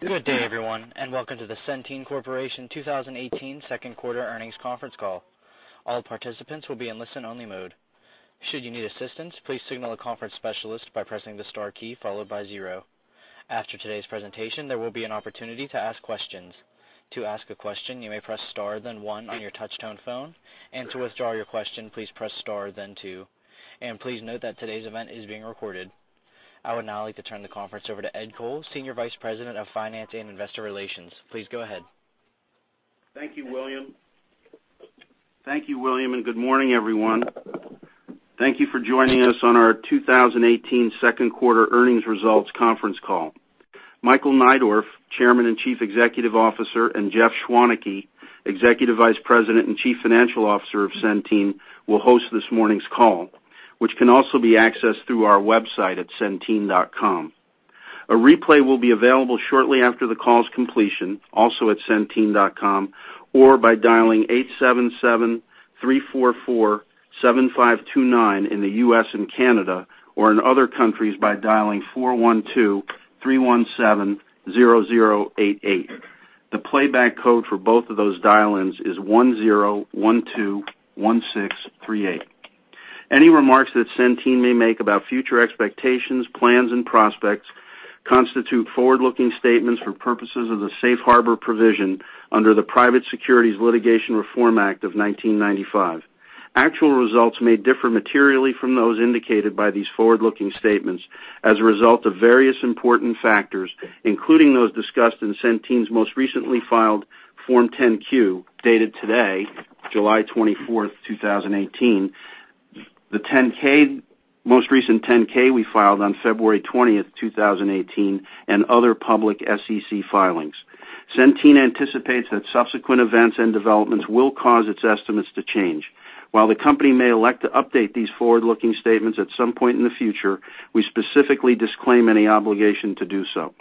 Good day, everyone, and welcome to the Centene Corporation 2018 second quarter earnings conference call. All participants will be in listen only mode. Should you need assistance, please signal a conference specialist by pressing the star key followed by zero. After today's presentation, there will be an opportunity to ask questions. To ask a question, you may press star then one on your touch tone phone, and to withdraw your question, please press star then two. Please note that today's event is being recorded. I would now like to turn the conference over to Ed Cole, Senior Vice President of Finance and Investor Relations. Please go ahead. Thank you, William. Good morning, everyone. Thank you for joining us on our 2018 second quarter earnings results conference call. Michael Neidorff, Chairman and Chief Executive Officer, and Jeff Schwaneke, Executive Vice President and Chief Financial Officer of Centene, will host this morning's call, which can also be accessed through our website at centene.com. A replay will be available shortly after the call's completion, also at centene.com, or by dialing 877-344-7529 in the U.S. and Canada, or in other countries by dialing 412-317-0088. The playback code for both of those dial-ins is 10121638. Any remarks that Centene may make about future expectations, plans and prospects constitute forward-looking statements for purposes of the safe harbor provision under the Private Securities Litigation Reform Act of 1995. Actual results may differ materially from those indicated by these forward-looking statements as a result of various important factors, including those discussed in Centene's most recently filed Form 10-Q, dated today, July 24th, 2018, the most recent 10-K we filed on February 20th, 2018, and other public SEC filings. Centene anticipates that subsequent events and developments will cause its estimates to change. The company may elect to update these forward-looking statements at some point in the future, we specifically disclaim any obligation to do so.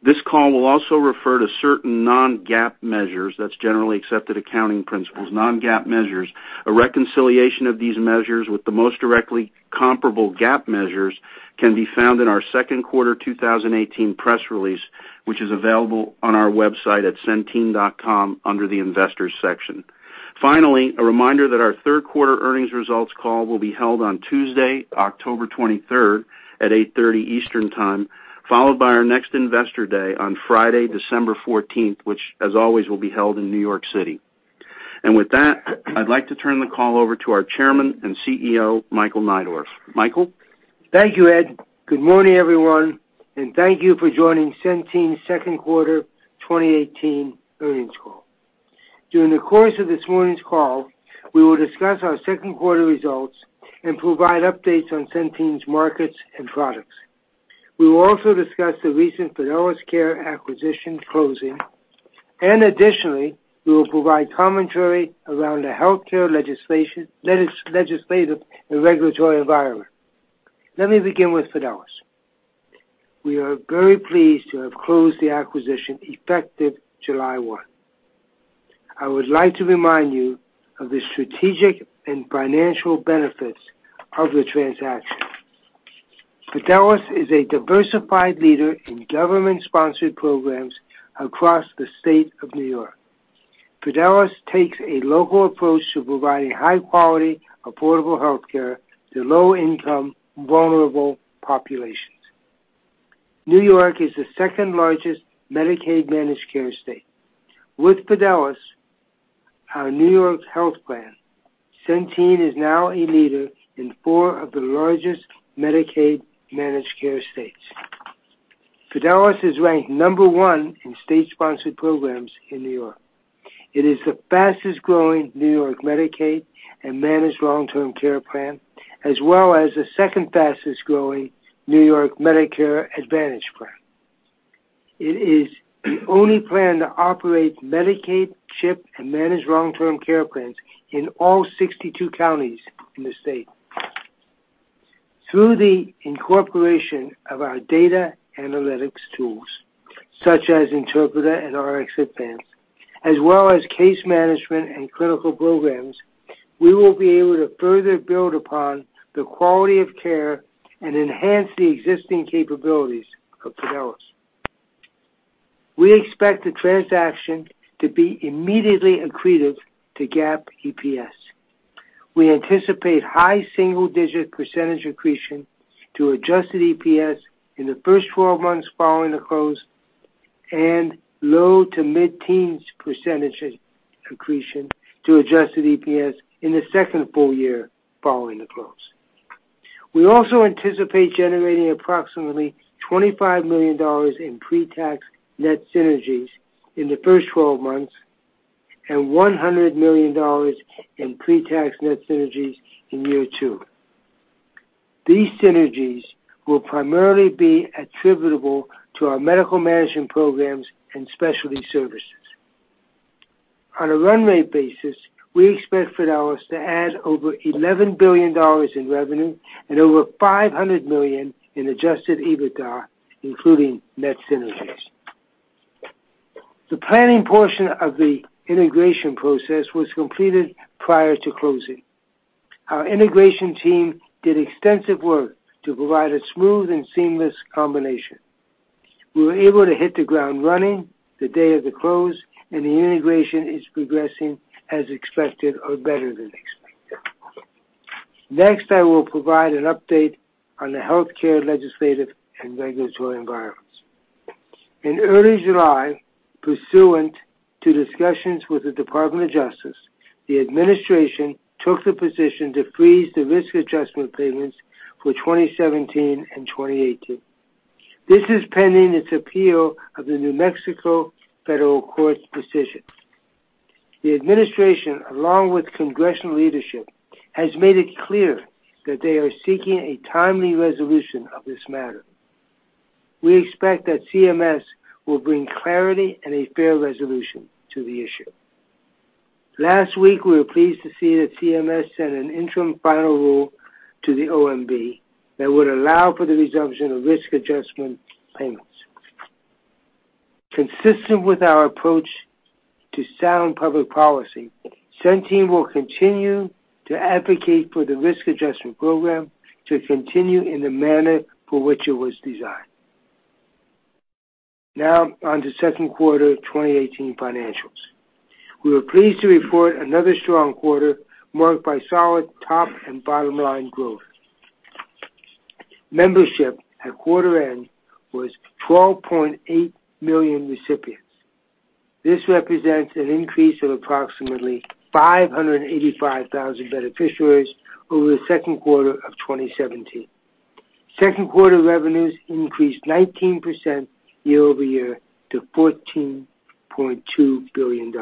This call will also refer to certain non-GAAP measures, that's generally accepted accounting principles. Non-GAAP measures. A reconciliation of these measures with the most directly comparable GAAP measures can be found in our second quarter 2018 press release, which is available on our website at centene.com under the investors section. A reminder that our third quarter earnings results call will be held on Tuesday, October 23rd at 8:30 A.M. Eastern Time, followed by our next Investor Day on Friday, December 14th, which, as always, will be held in New York City. With that, I'd like to turn the call over to our chairman and CEO, Michael Neidorff. Michael? Thank you, Ed. Good morning, everyone, and thank you for joining Centene's second quarter 2018 earnings call. During the course of this morning's call, we will discuss our second quarter results and provide updates on Centene's markets and products. We will also discuss the recent Fidelis Care acquisition closing. Additionally, we will provide commentary around the healthcare legislative and regulatory environment. Let me begin with Fidelis. We are very pleased to have closed the acquisition effective July 1. I would like to remind you of the strategic and financial benefits of the transaction. Fidelis is a diversified leader in government-sponsored programs across the state of New York. Fidelis takes a local approach to providing high quality, affordable healthcare to low income, vulnerable populations. New York is the second largest Medicaid managed care state. With Fidelis, our New York health plan, Centene is now a leader in four of the largest Medicaid managed care states. Fidelis is ranked number one in state-sponsored programs in New York. It is the fastest growing New York Medicaid and managed long-term care plan, as well as the second fastest growing New York Medicare Advantage plan. It is the only plan that operates Medicaid, CHIP, and managed long-term care plans in all 62 counties in the state. Through the incorporation of our data analytics tools, such as Interpreta and RxAdvance, as well as case management and clinical programs, we will be able to further build upon the quality of care and enhance the existing capabilities of Fidelis. We expect the transaction to be immediately accretive to GAAP EPS. We anticipate high single-digit % accretion to adjusted EPS in the first 12 months following the close and low to mid-teens % accretion to adjusted EPS in the second full year following the close. We also anticipate generating approximately $25 million in pre-tax net synergies in the first 12 months and $100 million in pre-tax net synergies in year two. These synergies will primarily be attributable to our medical management programs and specialty services. On a run rate basis, we expect Fidelis to add over $11 billion in revenue and over $500 million in adjusted EBITDA, including net synergies. The planning portion of the integration process was completed prior to closing. Our integration team did extensive work to provide a smooth and seamless combination. We were able to hit the ground running the day of the close, and the integration is progressing as expected or better than expected. Next, I will provide an update on the healthcare legislative and regulatory environments. In early July, pursuant to discussions with the Department of Justice, the administration took the position to freeze the Risk Adjustment payments for 2017 and 2018. This is pending its appeal of the New Mexico Federal Court's decision. The administration, along with congressional leadership, has made it clear that they are seeking a timely resolution of this matter. Last week, we were pleased to see that CMS sent an interim final rule to the OMB that would allow for the resumption of Risk Adjustment payments. Consistent with our approach to sound public policy, Centene will continue to advocate for the Risk Adjustment program to continue in the manner for which it was designed. Now on to second quarter 2018 financials. We were pleased to report another strong quarter marked by solid top and bottom-line growth. Membership at quarter end was 12.8 million recipients. This represents an increase of approximately 585,000 beneficiaries over the second quarter of 2017. Second quarter revenues increased 19% year-over-year to $14.2 billion.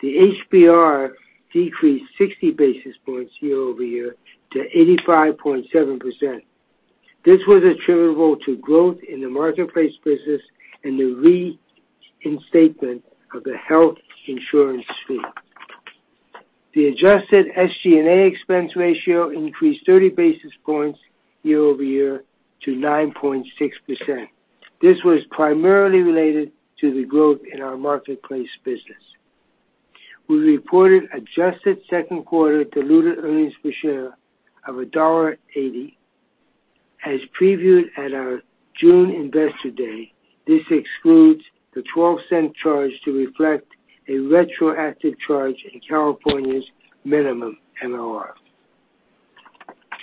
The HBR decreased 60 basis points year-over-year to 85.7%. This was attributable to growth in the marketplace business and the reinstatement of the Health Insurance Fee. The adjusted SG&A expense ratio increased 30 basis points year-over-year to 9.6%. This was primarily related to the growth in our marketplace business. We reported adjusted second quarter diluted earnings per share of $1.80. As previewed at our June Investor Day, this excludes the $0.12 charge to reflect a retroactive charge in California's minimum MLR.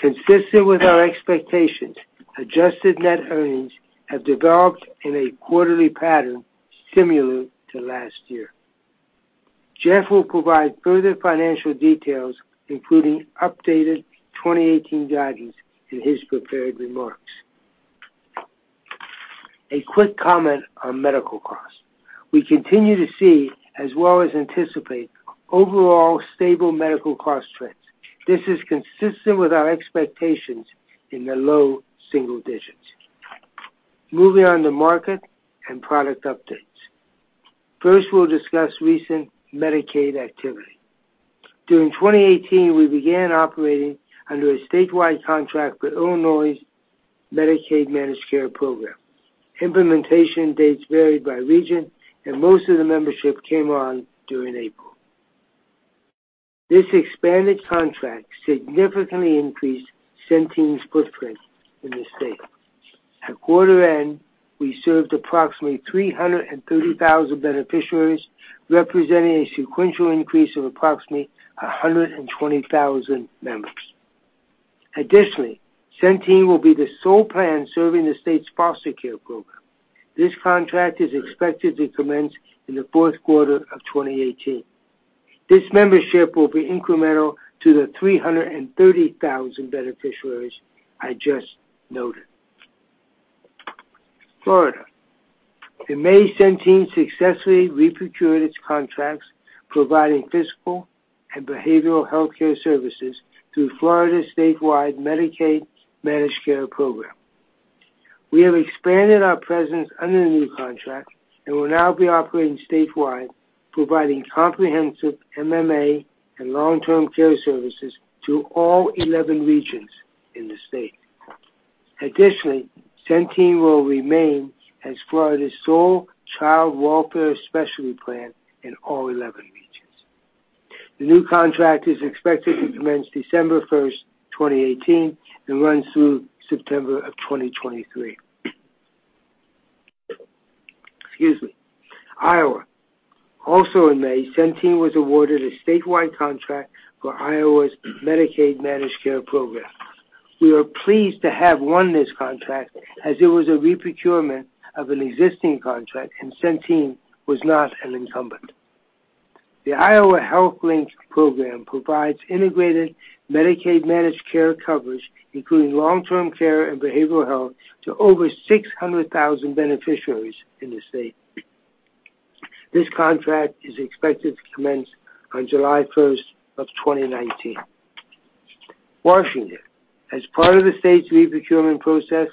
Consistent with our expectations, adjusted net earnings have developed in a quarterly pattern similar to last year. Jeff will provide further financial details, including updated 2018 guidance, in his prepared remarks. A quick comment on medical costs. We continue to see, as well as anticipate, overall stable medical cost trends. This is consistent with our expectations in the low single digits. Moving on to market and product updates. First, we'll discuss recent Medicaid activity. During 2018, we began operating under a statewide contract with Illinois' Medicaid Managed Care program. Implementation dates varied by region, and most of the membership came on during April. This expanded contract significantly increased Centene's footprint in the state. At quarter end, we served approximately 330,000 beneficiaries, representing a sequential increase of approximately 120,000 members. Additionally, Centene will be the sole plan serving the state's foster care program. This contract is expected to commence in the fourth quarter of 2018. This membership will be incremental to the 330,000 beneficiaries I just noted. Florida. In May, Centene successfully reprocured its contracts providing physical and behavioral healthcare services through Florida's statewide Medicaid Managed Care program. We have expanded our presence under the new contract and will now be operating statewide, providing comprehensive MMA and long-term care services to all 11 regions in the state. Additionally, Centene will remain as Florida's sole child welfare specialty plan in all 11 regions. The new contract is expected to commence December 1, 2018, and runs through September of 2023. Excuse me. Iowa. Also in May, Centene was awarded a statewide contract for Iowa's Medicaid Managed Care program. We are pleased to have won this contract as it was a reprocurement of an existing contract, and Centene was not an incumbent. The Iowa Health Link program provides integrated Medicaid managed care coverage, including long-term care and behavioral health to over 600,000 beneficiaries in the state. This contract is expected to commence on July 1, 2019. Washington. As part of the state's reprocurement process,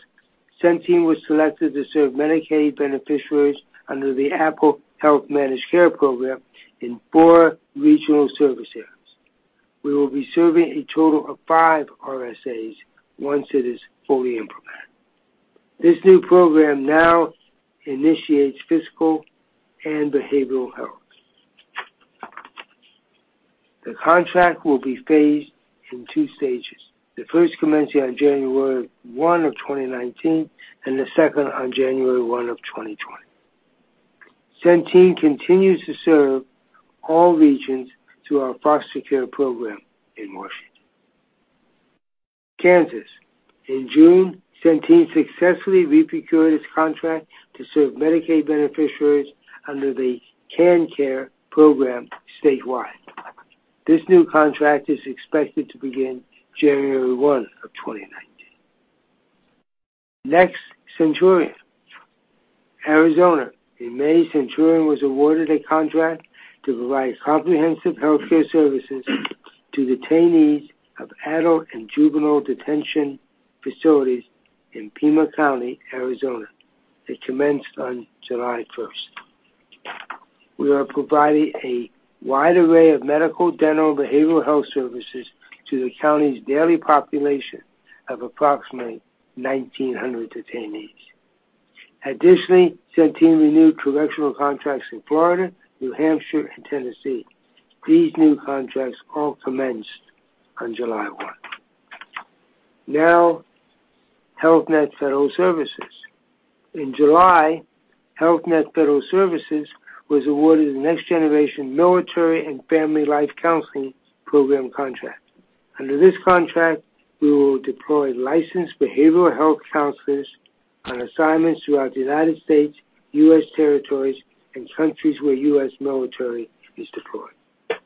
Centene was selected to serve Medicaid beneficiaries under the Apple Health Managed Care program in four regional service areas. We will be serving a total of 5 RSAs once it is fully implemented. This new program now initiates physical and behavioral health. The contract will be phased in two stages, the first commencing on January 1, 2019, and the second on January 1, 2020. Centene continues to serve all regions through our foster care program in Washington. Kansas, in June, Centene successfully reprocured its contract to serve Medicaid beneficiaries under the KanCare program statewide. This new contract is expected to begin January 1, 2019. Next, Centurion. Arizona, in May, Centurion was awarded a contract to provide comprehensive healthcare services to detainees of adult and juvenile detention facilities in Pima County, Arizona. It commenced on July 1st. We are providing a wide array of medical, dental, behavioral health services to the county's daily population of approximately 1,900 detainees. Additionally, Centene renewed correctional contracts in Florida, New Hampshire, and Tennessee. These new contracts all commenced on July 1. Health Net Federal Services. In July, Health Net Federal Services was awarded the next generation Military and Family Life Counseling program contract. Under this contract, we will deploy licensed behavioral health counselors on assignments throughout the United States, U.S. territories, and countries where U.S. military is deployed.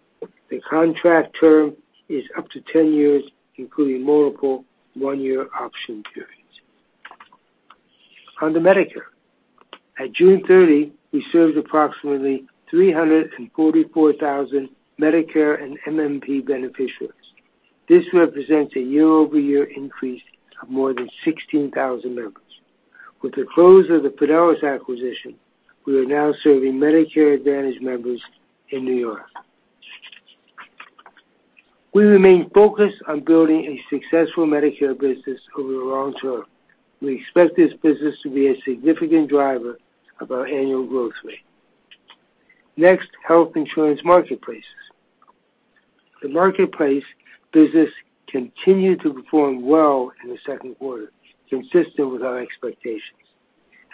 The contract term is up to 10 years, including multiple one-year option periods. On to Medicare. At June 30, we served approximately 344,000 Medicare and MMP beneficiaries. This represents a year-over-year increase of more than 16,000 members. With the close of the Fidelis acquisition, we are now serving Medicare Advantage members in New York. We remain focused on building a successful Medicare business over the long term. We expect this business to be a significant driver of our annual growth rate. Next, health insurance marketplaces. The marketplace business continued to perform well in the second quarter, consistent with our expectations.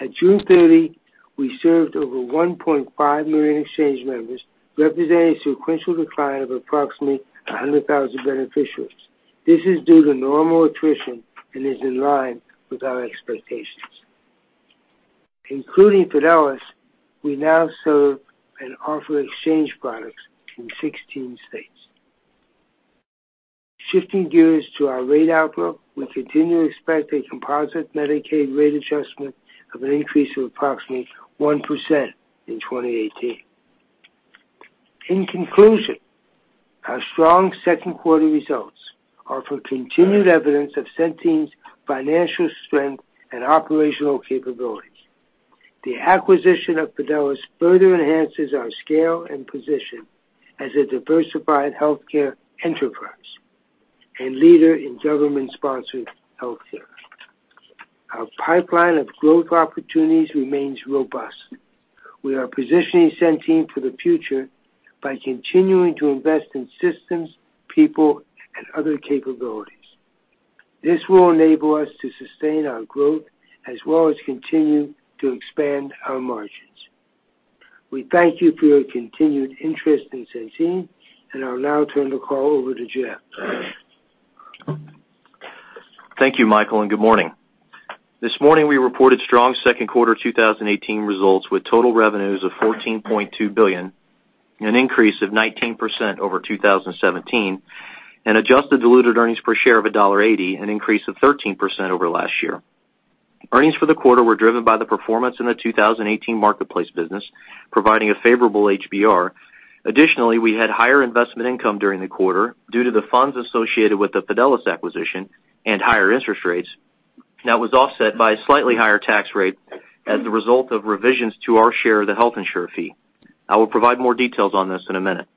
At June 30, we served over 1.5 million exchange members, representing a sequential decline of approximately 100,000 beneficiaries. This is due to normal attrition and is in line with our expectations. Including Fidelis, we now serve and offer exchange products in 16 states. Shifting gears to our rate outlook, we continue to expect a composite Medicaid rate adjustment of an increase of approximately 1% in 2018. In conclusion, our strong second quarter results offer continued evidence of Centene's financial strength and operational capabilities. The acquisition of Fidelis further enhances our scale and position as a diversified healthcare enterprise and leader in government-sponsored healthcare. Our pipeline of growth opportunities remains robust. We are positioning Centene for the future by continuing to invest in systems, people, and other capabilities. This will enable us to sustain our growth as well as continue to expand our margins. We thank you for your continued interest in Centene, I'll now turn the call over to Jeff. Thank you, Michael, and good morning. This morning, we reported strong second quarter 2018 results with total revenues of $14.2 billion, an increase of 19% over 2017, and adjusted diluted earnings per share of $1.80, an increase of 13% over last year. Earnings for the quarter were driven by the performance in the 2018 marketplace business, providing a favorable HBR. Additionally, we had higher investment income during the quarter due to the funds associated with the Fidelis acquisition and higher interest rates. That was offset by a slightly higher tax rate as a result of revisions to our share of the Health Insurance Fee. I will provide more details on this in a minute.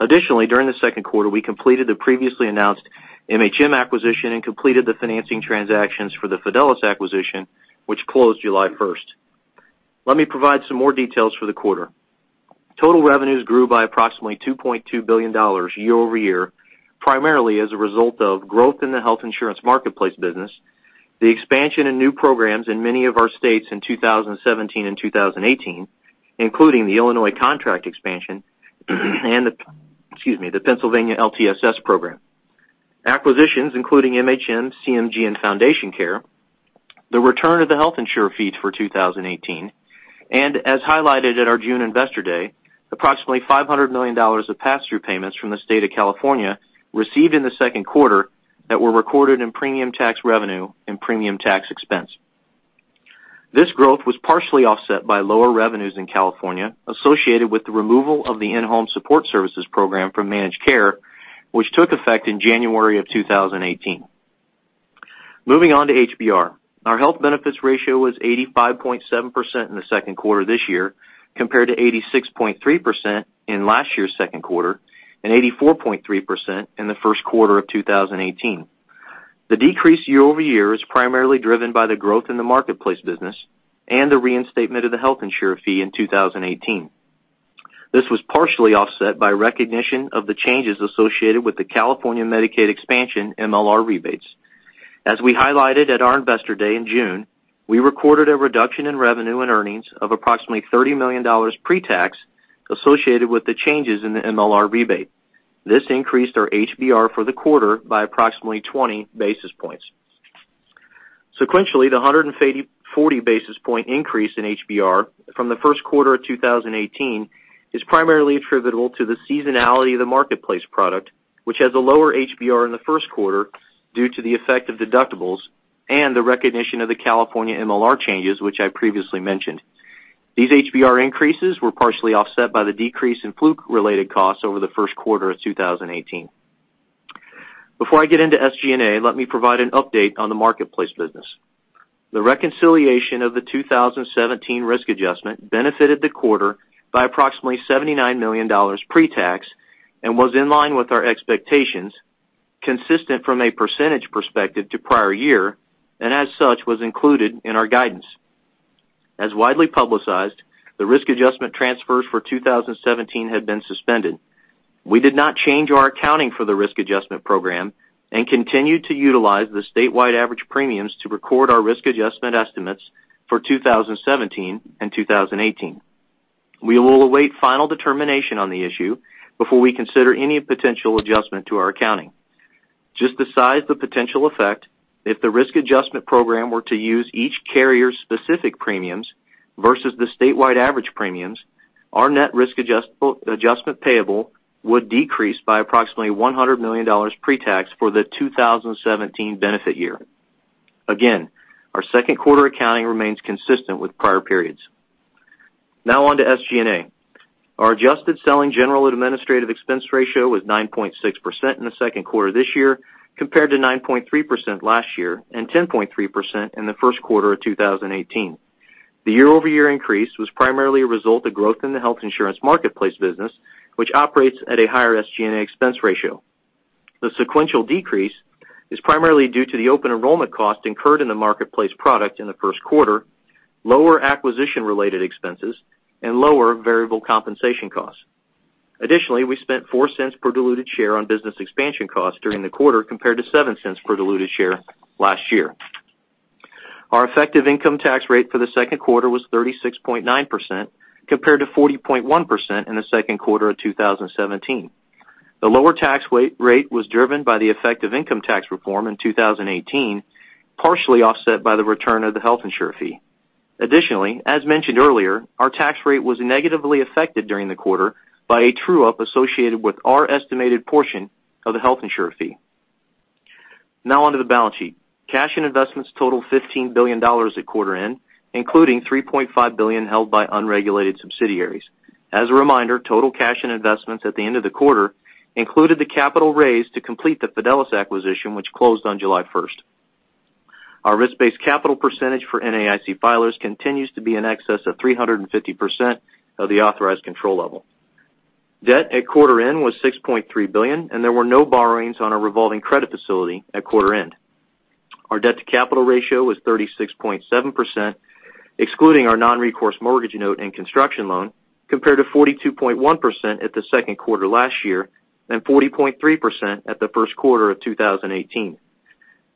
Additionally, during the second quarter, we completed the previously announced MHM acquisition and completed the financing transactions for the Fidelis acquisition, which closed July 1st. Let me provide some more details for the quarter. Total revenues grew by approximately $2.2 billion year-over-year, primarily as a result of growth in the health insurance marketplace business, the expansion in new programs in many of our states in 2017 and 2018, including the Illinois contract expansion and the Pennsylvania LTSS program. Acquisitions, including MHM, Community Medical Group, and Foundation Care, the return of the Health Insurance Fee for 2018, and as highlighted at our June Investor Day, approximately $500 million of pass-through payments from the state of California received in the second quarter that were recorded in premium tax revenue and premium tax expense. This growth was partially offset by lower revenues in California associated with the removal of the In-Home Supportive Services program from managed care, which took effect in January of 2018. Moving on to HBR. Our health benefits ratio was 85.7% in the second quarter of this year, compared to 86.3% in last year's second quarter, and 84.3% in the first quarter of 2018. The decrease year-over-year is primarily driven by the growth in the marketplace business and the reinstatement of the Health Insurance Fee in 2018. This was partially offset by recognition of the changes associated with the California Medicaid expansion MLR rebates. As we highlighted at our Investor Day in June, we recorded a reduction in revenue and earnings of approximately $30 million pre-tax associated with the changes in the MLR rebate. This increased our HBR for the quarter by approximately 20 basis points. Sequentially, the 140 basis point increase in HBR from the first quarter of 2018 is primarily attributable to the seasonality of the marketplace product, which has a lower HBR in the first quarter due to the effect of deductibles and the recognition of the California MLR changes, which I previously mentioned. These HBR increases were partially offset by the decrease in flu-related costs over the first quarter of 2018. Before I get into SG&A, let me provide an update on the marketplace business. The reconciliation of the 2017 Risk Adjustment benefited the quarter by approximately $79 million pre-tax, and was in line with our expectations, consistent from a percentage perspective to prior year, and as such, was included in our guidance. As widely publicized, the Risk Adjustment transfers for 2017 had been suspended. We did not change our accounting for the Risk Adjustment program and continued to utilize the statewide average premiums to record our Risk Adjustment estimates for 2017 and 2018. We will await final determination on the issue before we consider any potential adjustment to our accounting. Just to size the potential effect, if the Risk Adjustment program were to use each carrier's specific premiums versus the statewide average premiums, our net Risk Adjustment payable would decrease by approximately $100 million pre-tax for the 2017 benefit year. Our second quarter accounting remains consistent with prior periods. Our adjusted selling, general, and administrative expense ratio was 9.6% in the second quarter of this year, compared to 9.3% last year, and 10.3% in the first quarter of 2018. The year-over-year increase was primarily a result of growth in the health insurance marketplace business, which operates at a higher SG&A expense ratio. The sequential decrease is primarily due to the open enrollment cost incurred in the marketplace product in the first quarter, lower acquisition-related expenses, and lower variable compensation costs. Additionally, we spent $0.04 per diluted share on business expansion costs during the quarter, compared to $0.07 per diluted share last year. Our effective income tax rate for the second quarter was 36.9%, compared to 40.1% in the second quarter of 2017. The lower tax rate was driven by the effective income tax reform in 2018, partially offset by the return of the Health Insurance Fee. Additionally, as mentioned earlier, our tax rate was negatively affected during the quarter by a true-up associated with our estimated portion of the Health Insurance Fee. On to the balance sheet. Cash and investments totaled $15 billion at quarter end, including $3.5 billion held by unregulated subsidiaries. As a reminder, total cash and investments at the end of the quarter included the capital raised to complete the Fidelis acquisition, which closed on July 1st. Our risk-based capital percentage for NAIC filers continues to be in excess of 350% of the authorized control level. Debt at quarter end was $6.3 billion, and there were no borrowings on our revolving credit facility at quarter end. Our debt to capital ratio was 36.7%, excluding our non-recourse mortgage note and construction loan, compared to 42.1% at the second quarter last year, and 40.3% at the first quarter of 2018.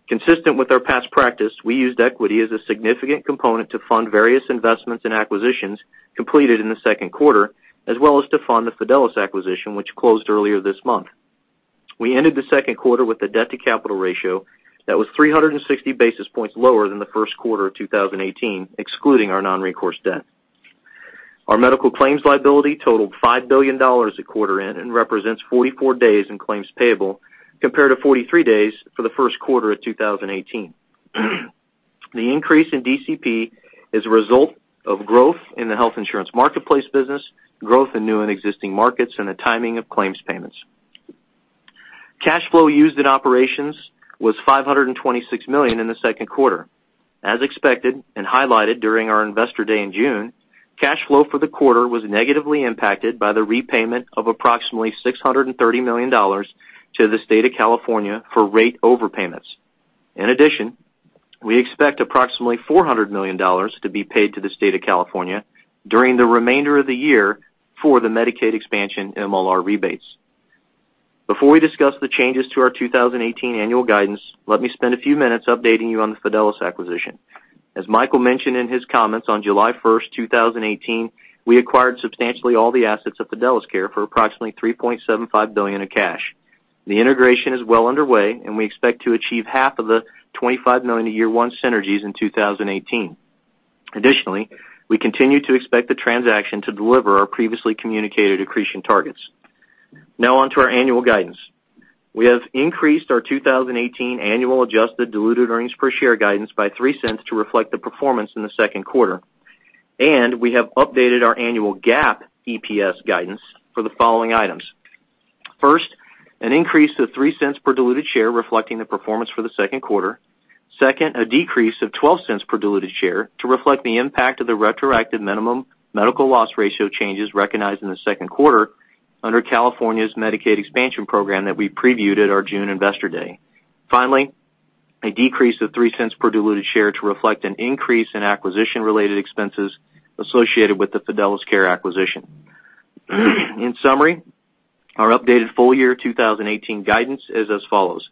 Consistent with our past practice, we used equity as a significant component to fund various investments and acquisitions completed in the second quarter, as well as to fund the Fidelis acquisition, which closed earlier this month. We ended the second quarter with a debt to capital ratio that was 360 basis points lower than the first quarter of 2018, excluding our non-recourse debt. Our medical claims liability totaled $5 billion at quarter end and represents 44 days in claims payable, compared to 43 days for the first quarter of 2018. The increase in DCP is a result of growth in the health insurance marketplace business, growth in new and existing markets, and the timing of claims payments. Cash flow used in operations was $526 million in the second quarter. As expected, and highlighted during our Investor Day in June, cash flow for the quarter was negatively impacted by the repayment of approximately $630 million to the state of California for rate overpayments. In addition, we expect approximately $400 million to be paid to the state of California during the remainder of the year for the Medicaid expansion MLR rebates. Before we discuss the changes to our 2018 annual guidance, let me spend a few minutes updating you on the Fidelis acquisition. As Michael mentioned in his comments, on July 1st, 2018, we acquired substantially all the assets of Fidelis Care for approximately $3.75 billion in cash. The integration is well underway, and we expect to achieve half of the $25 million in year one synergies in 2018. Additionally, we continue to expect the transaction to deliver our previously communicated accretion targets. On to our annual guidance. We have increased our 2018 annual adjusted diluted earnings per share guidance by $0.03 to reflect the performance in the second quarter. We have updated our annual GAAP EPS guidance for the following items. First, an increase of $0.03 per diluted share reflecting the performance for the second quarter. Second, a decrease of $0.12 per diluted share to reflect the impact of the retroactive minimum medical loss ratio changes recognized in the second quarter under California's Medicaid expansion program that we previewed at our June Investor Day. Finally, a decrease of $0.03 per diluted share to reflect an increase in acquisition related expenses associated with the Fidelis Care acquisition. In summary, our updated full year 2018 guidance is as follows: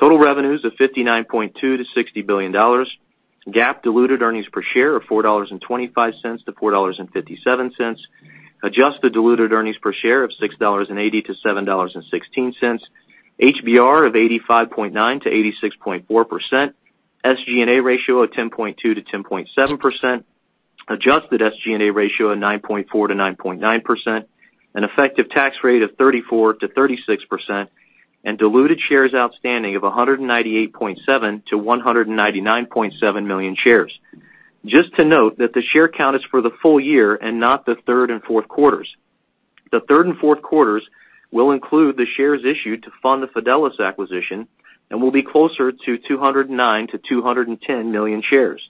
total revenues of $59.2 billion-$60 billion, GAAP diluted earnings per share of $4.25-$4.57, adjusted diluted earnings per share of $6.80-$7.16, HBR of 85.9%-86.4%, SG&A ratio of 10.2%-10.7%, adjusted SG&A ratio of 9.4%-9.9%, an effective tax rate of 34%-36%, and diluted shares outstanding of 198.7 million-199.7 million shares. Just to note that the share count is for the full year and not the third and fourth quarters. The third and fourth quarters will include the shares issued to fund the Fidelis acquisition and will be closer to 209 million-210 million shares.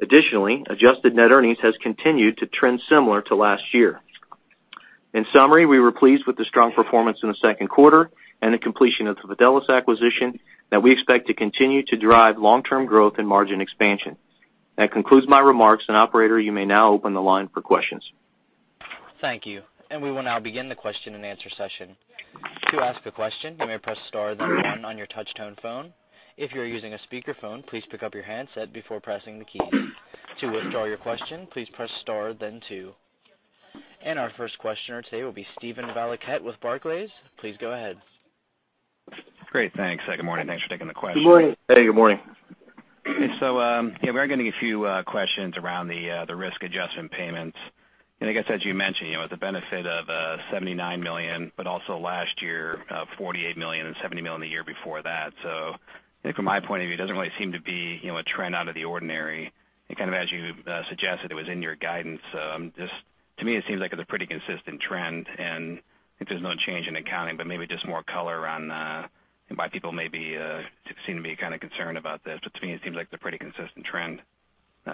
Additionally, adjusted net earnings has continued to trend similar to last year. In summary, we were pleased with the strong performance in the second quarter and the completion of the Fidelis acquisition that we expect to continue to drive long-term growth and margin expansion. That concludes my remarks. Operator, you may now open the line for questions. Thank you. We will now begin the question and answer session. To ask a question, you may press star then one on your touch-tone phone. If you're using a speakerphone, please pick up your handset before pressing the key. To withdraw your question, please press star then two. Our first questioner today will be Steven Valiquette with Barclays. Please go ahead. Great. Thanks. Good morning. Thanks for taking the question. Good morning. Hey, good morning. Yeah, we are getting a few questions around the Risk Adjustment payments. I guess as you mentioned, the benefit of $79 million, but also last year, $48 million and $70 million the year before that. I think from my point of view, it doesn't really seem to be a trend out of the ordinary. Kind of as you suggested, it was in your guidance. To me, it seems like it's a pretty consistent trend.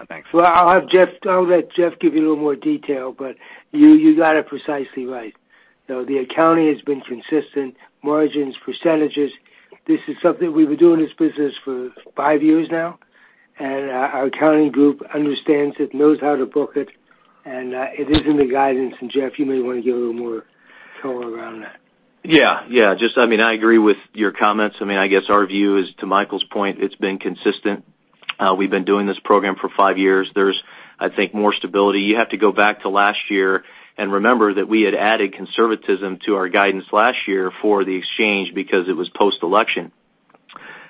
Thanks. Well, I'll let Jeff give you a little more detail, but you got it precisely right. The accounting has been consistent, margins, percentages. This is something we've been doing this business for five years now, and our accounting group understands it, knows how to book it, and it is in the guidance. Jeff, you may want to give a little more color around that. Yeah. I agree with your comments. I guess our view is, to Michael's point, it's been consistent. We've been doing this program for five years. There's, I think, more stability. You have to go back to last year and remember that we had added conservatism to our guidance last year for the exchange because it was post-election.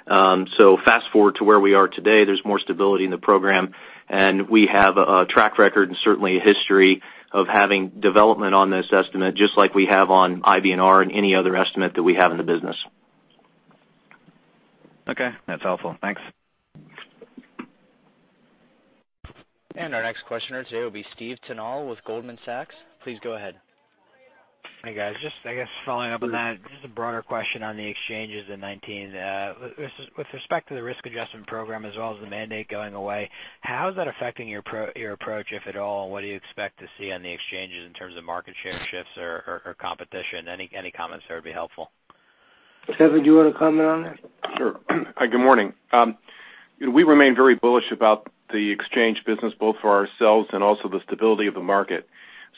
Fast-forward to where we are today, there's more stability in the program, and we have a track record and certainly a history of having development on this estimate, just like we have on IBNR and any other estimate that we have in the business. Okay, that's helpful. Thanks. Our next questioner today will be Steve Tanal with Goldman Sachs. Please go ahead. Hey, guys. Just, I guess following up on that, just a broader question on the exchanges in 2019. With respect to the Risk Adjustment program as well as the mandate going away, how is that affecting your approach, if at all? What do you expect to see on the exchanges in terms of market share shifts or competition? Any comments there would be helpful. Kevin, do you want to comment on that? Sure. Good morning. We remain very bullish about the exchange business, both for ourselves and also the stability of the market.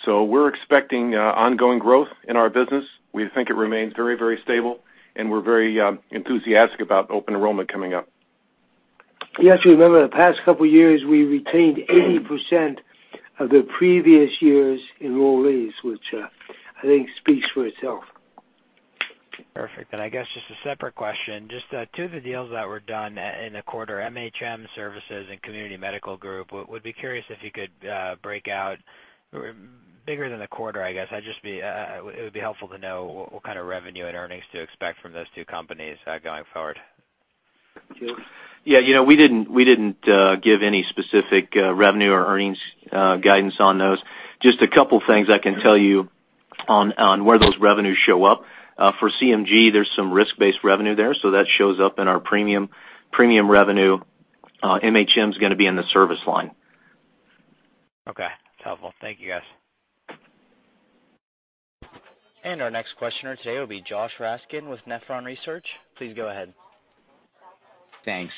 We're expecting ongoing growth in our business. We think it remains very stable, and we're very enthusiastic about open enrollment coming up. You have to remember, the past couple of years, we retained 80% of the previous year's enrollees, which I think speaks for itself. Perfect. I guess just a separate question, just two of the deals that were done in the quarter, MHM Services and Community Medical Group. Would be curious if you could break out, bigger than a quarter, I guess, it would be helpful to know what kind of revenue and earnings to expect from those two companies going forward. Jeff? We didn't give any specific revenue or earnings guidance on those. Just a couple of things I can tell you on where those revenues show up. For CMG, there's some risk-based revenue there, that shows up in our premium revenue. MHM is going to be in the service line. Okay. That's helpful. Thank you, guys. Our next questioner today will be Josh Raskin with Nephron Research. Please go ahead. Thanks.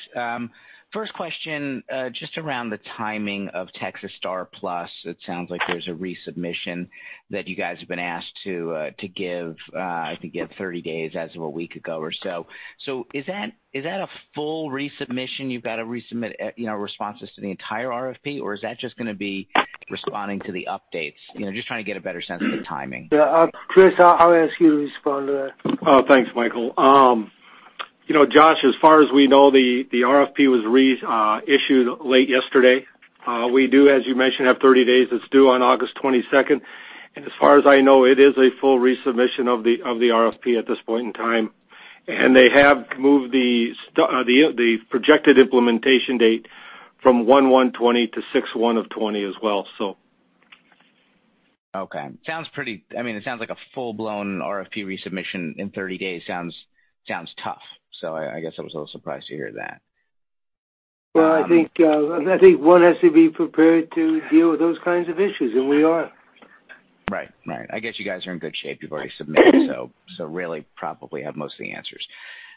First question, just around the timing of STAR+PLUS. It sounds like there is a resubmission that you guys have been asked to give, I think you have 30 days as of a week ago or so. Is that a full resubmission? You've got to resubmit responses to the entire RFP? Or is that just going to be responding to the updates? Just trying to get a better sense of the timing. Yeah. Chris, I'll ask you to respond to that. Oh, thanks, Michael. Josh, as far as we know, the RFP was reissued late yesterday. We do, as you mentioned, have 30 days. It's due on August 22nd. As far as I know, it is a full resubmission of the RFP at this point in time. They have moved the projected implementation date from 01/01/2020 to 06/01/2020 as well. Okay. It sounds like a full-blown RFP resubmission in 30 days. Sounds tough. I guess I was a little surprised to hear that. Well, I think one has to be prepared to deal with those kinds of issues, and we are. Right. I guess you guys are in good shape. You've already submitted, so really probably have most of the answers.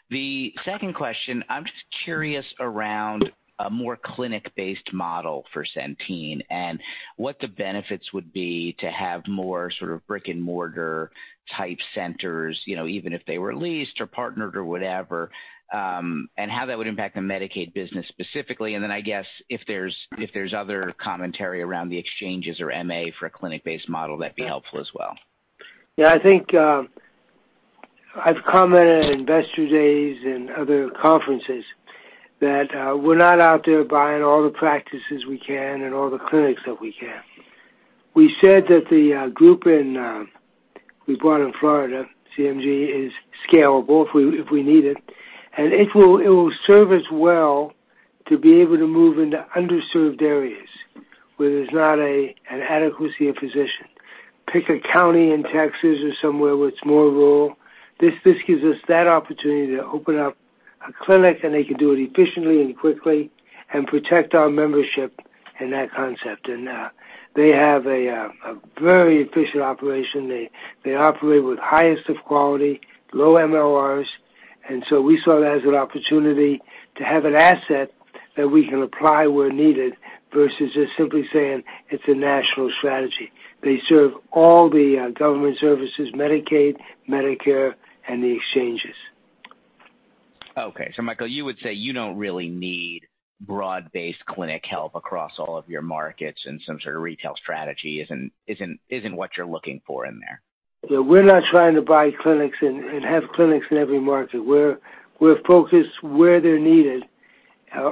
The second question, I'm just curious around a more clinic-based model for Centene, and what the benefits would be to have more sort of brick-and-mortar type centers, even if they were leased or partnered or whatever, and how that would impact the Medicaid business specifically. Then, I guess, if there's other commentary around the exchanges or MA for a clinic-based model, that'd be helpful as well. Yeah. I think I've commented at Investor Days and other conferences that we're not out there buying all the practices we can and all the clinics that we can. We said that the group we bought in Florida, CMG, is scalable if we need it, and it will serve us well to be able to move into underserved areas where there's not an adequacy of physician. Pick a county in Texas or somewhere where it's more rural. This gives us that opportunity to open up a clinic, and they can do it efficiently and quickly and protect our membership and that concept. They have a very efficient operation. They operate with highest of quality, low MLRs. We saw it as an opportunity to have an asset that we can apply where needed versus just simply saying it's a national strategy. They serve all the government services, Medicaid, Medicare, and the exchanges. Okay. Michael, you would say you don't really need broad-based clinic help across all of your markets, some sort of retail strategy isn't what you're looking for in there? Yeah. We're not trying to buy clinics and have clinics in every market. We're focused where they're needed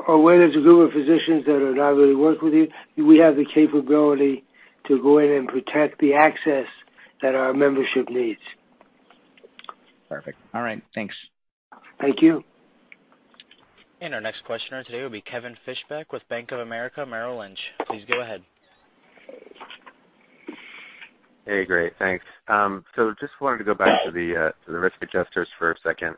or where there's a group of physicians that are not really working with you. We have the capability to go in and protect the access that our membership needs. Perfect. All right. Thanks. Thank you. Our next questioner today will be Kevin Fischbeck with Bank of America Merrill Lynch. Please go ahead. Hey, great. Thanks. Just wanted to go back to the risk adjusters for a second.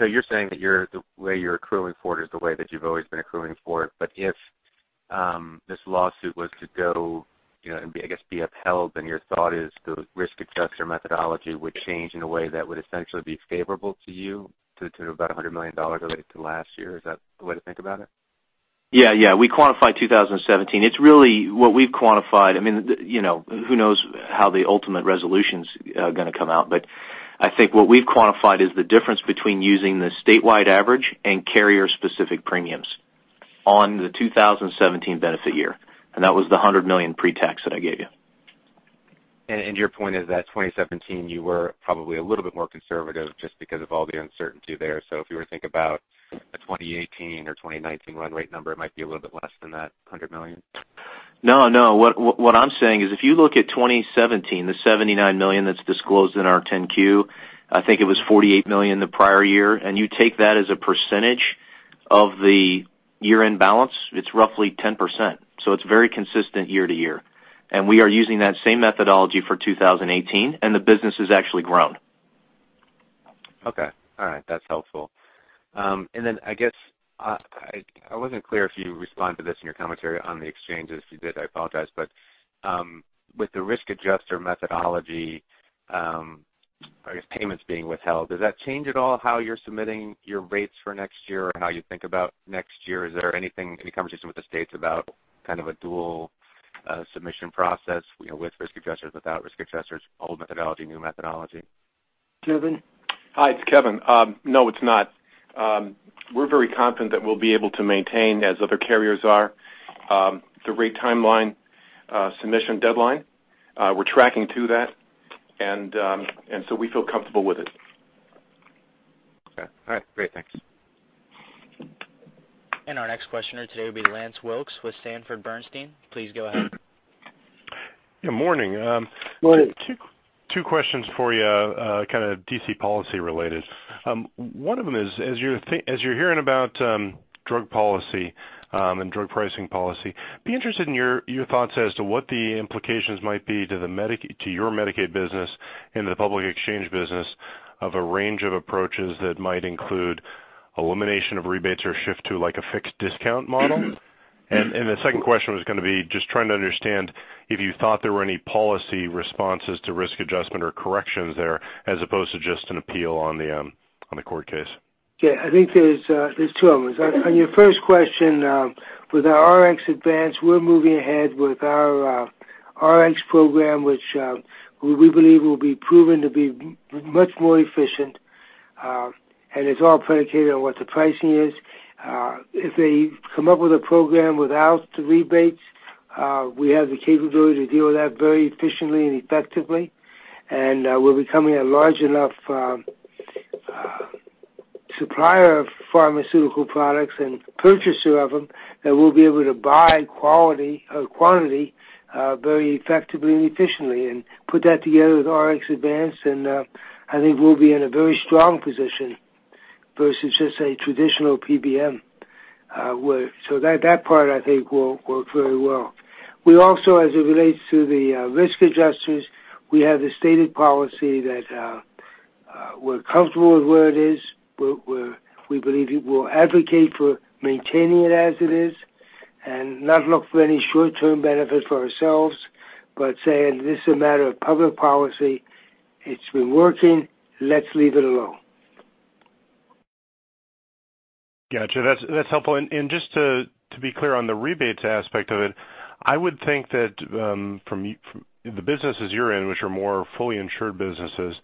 You're saying that the way you're accruing for it is the way that you've always been accruing for it, but if this lawsuit was to go and, I guess, be upheld, then your thought is the risk adjuster methodology would change in a way that would essentially be favorable to you to about $100 million related to last year? Is that the way to think about it? Yeah. We quantified 2017. Who knows how the ultimate resolution's gonna come out, but I think what we've quantified is the difference between using the statewide average and carrier-specific premiums on the 2017 benefit year, and that was the $100 million pre-tax that I gave you. Your point is that 2017, you were probably a little bit more conservative just because of all the uncertainty there. If you were to think about a 2018 or 2019 run rate number, it might be a little bit less than that $100 million? No. What I'm saying is if you look at 2017, the $79 million that's disclosed in our 10-Q, I think it was $48 million the prior year, and you take that as a percentage of the year-end balance, it's roughly 10%. It's very consistent year to year. We are using that same methodology for 2018, and the business has actually grown. Okay. All right. That's helpful. Then I guess, I wasn't clear if you responded to this in your commentary on the exchanges. If you did, I apologize. With the risk adjuster methodology, I guess payments being withheld, does that change at all how you're submitting your rates for next year or how you think about next year? Is there any conversation with the states about kind of a dual submission process, with risk adjusters, without risk adjusters, old methodology, new methodology? Kevin? Hi, it's Kevin. No, it's not. We're very confident that we'll be able to maintain, as other carriers are, the rate timeline submission deadline. We're tracking to that. We feel comfortable with it. Okay. All right. Great. Thanks. Our next questioner today will be Lance Wilkes with Sanford Bernstein. Please go ahead. Good morning. Morning. Two questions for you, kind of D.C. policy related. One of them is, as you're hearing about drug policy and drug pricing policy, be interested in your thoughts as to what the implications might be to your Medicaid business and the public exchange business of a range of approaches that might include elimination of rebates or shift to a fixed discount model. The second question was going to be just trying to understand if you thought there were any policy responses to Risk Adjustment or corrections there as opposed to just an appeal on the court case. Yeah, I think there's two of them. On your first question, with our RxAdvance, we're moving ahead with our Rx program, which we believe will be proven to be much more efficient. It's all predicated on what the pricing is. If they come up with a program without the rebates, we have the capability to deal with that very efficiently and effectively. We're becoming a large enough Supplier of pharmaceutical products and purchaser of them that we'll be able to buy quality or quantity very effectively and efficiently. Put that together with RxAdvance, I think we'll be in a very strong position versus just a traditional PBM. That part, I think, will work very well. We also, as it relates to the risk adjusters, we have a stated policy that we're comfortable with where it is. We believe it will advocate for maintaining it as it is. Not look for any short-term benefits for ourselves, saying, "This is a matter of public policy. It's been working. Let's leave it alone. Got you. That's helpful. Just to be clear on the rebates aspect of it, I would think that from the businesses you're in, which are more fully insured businesses,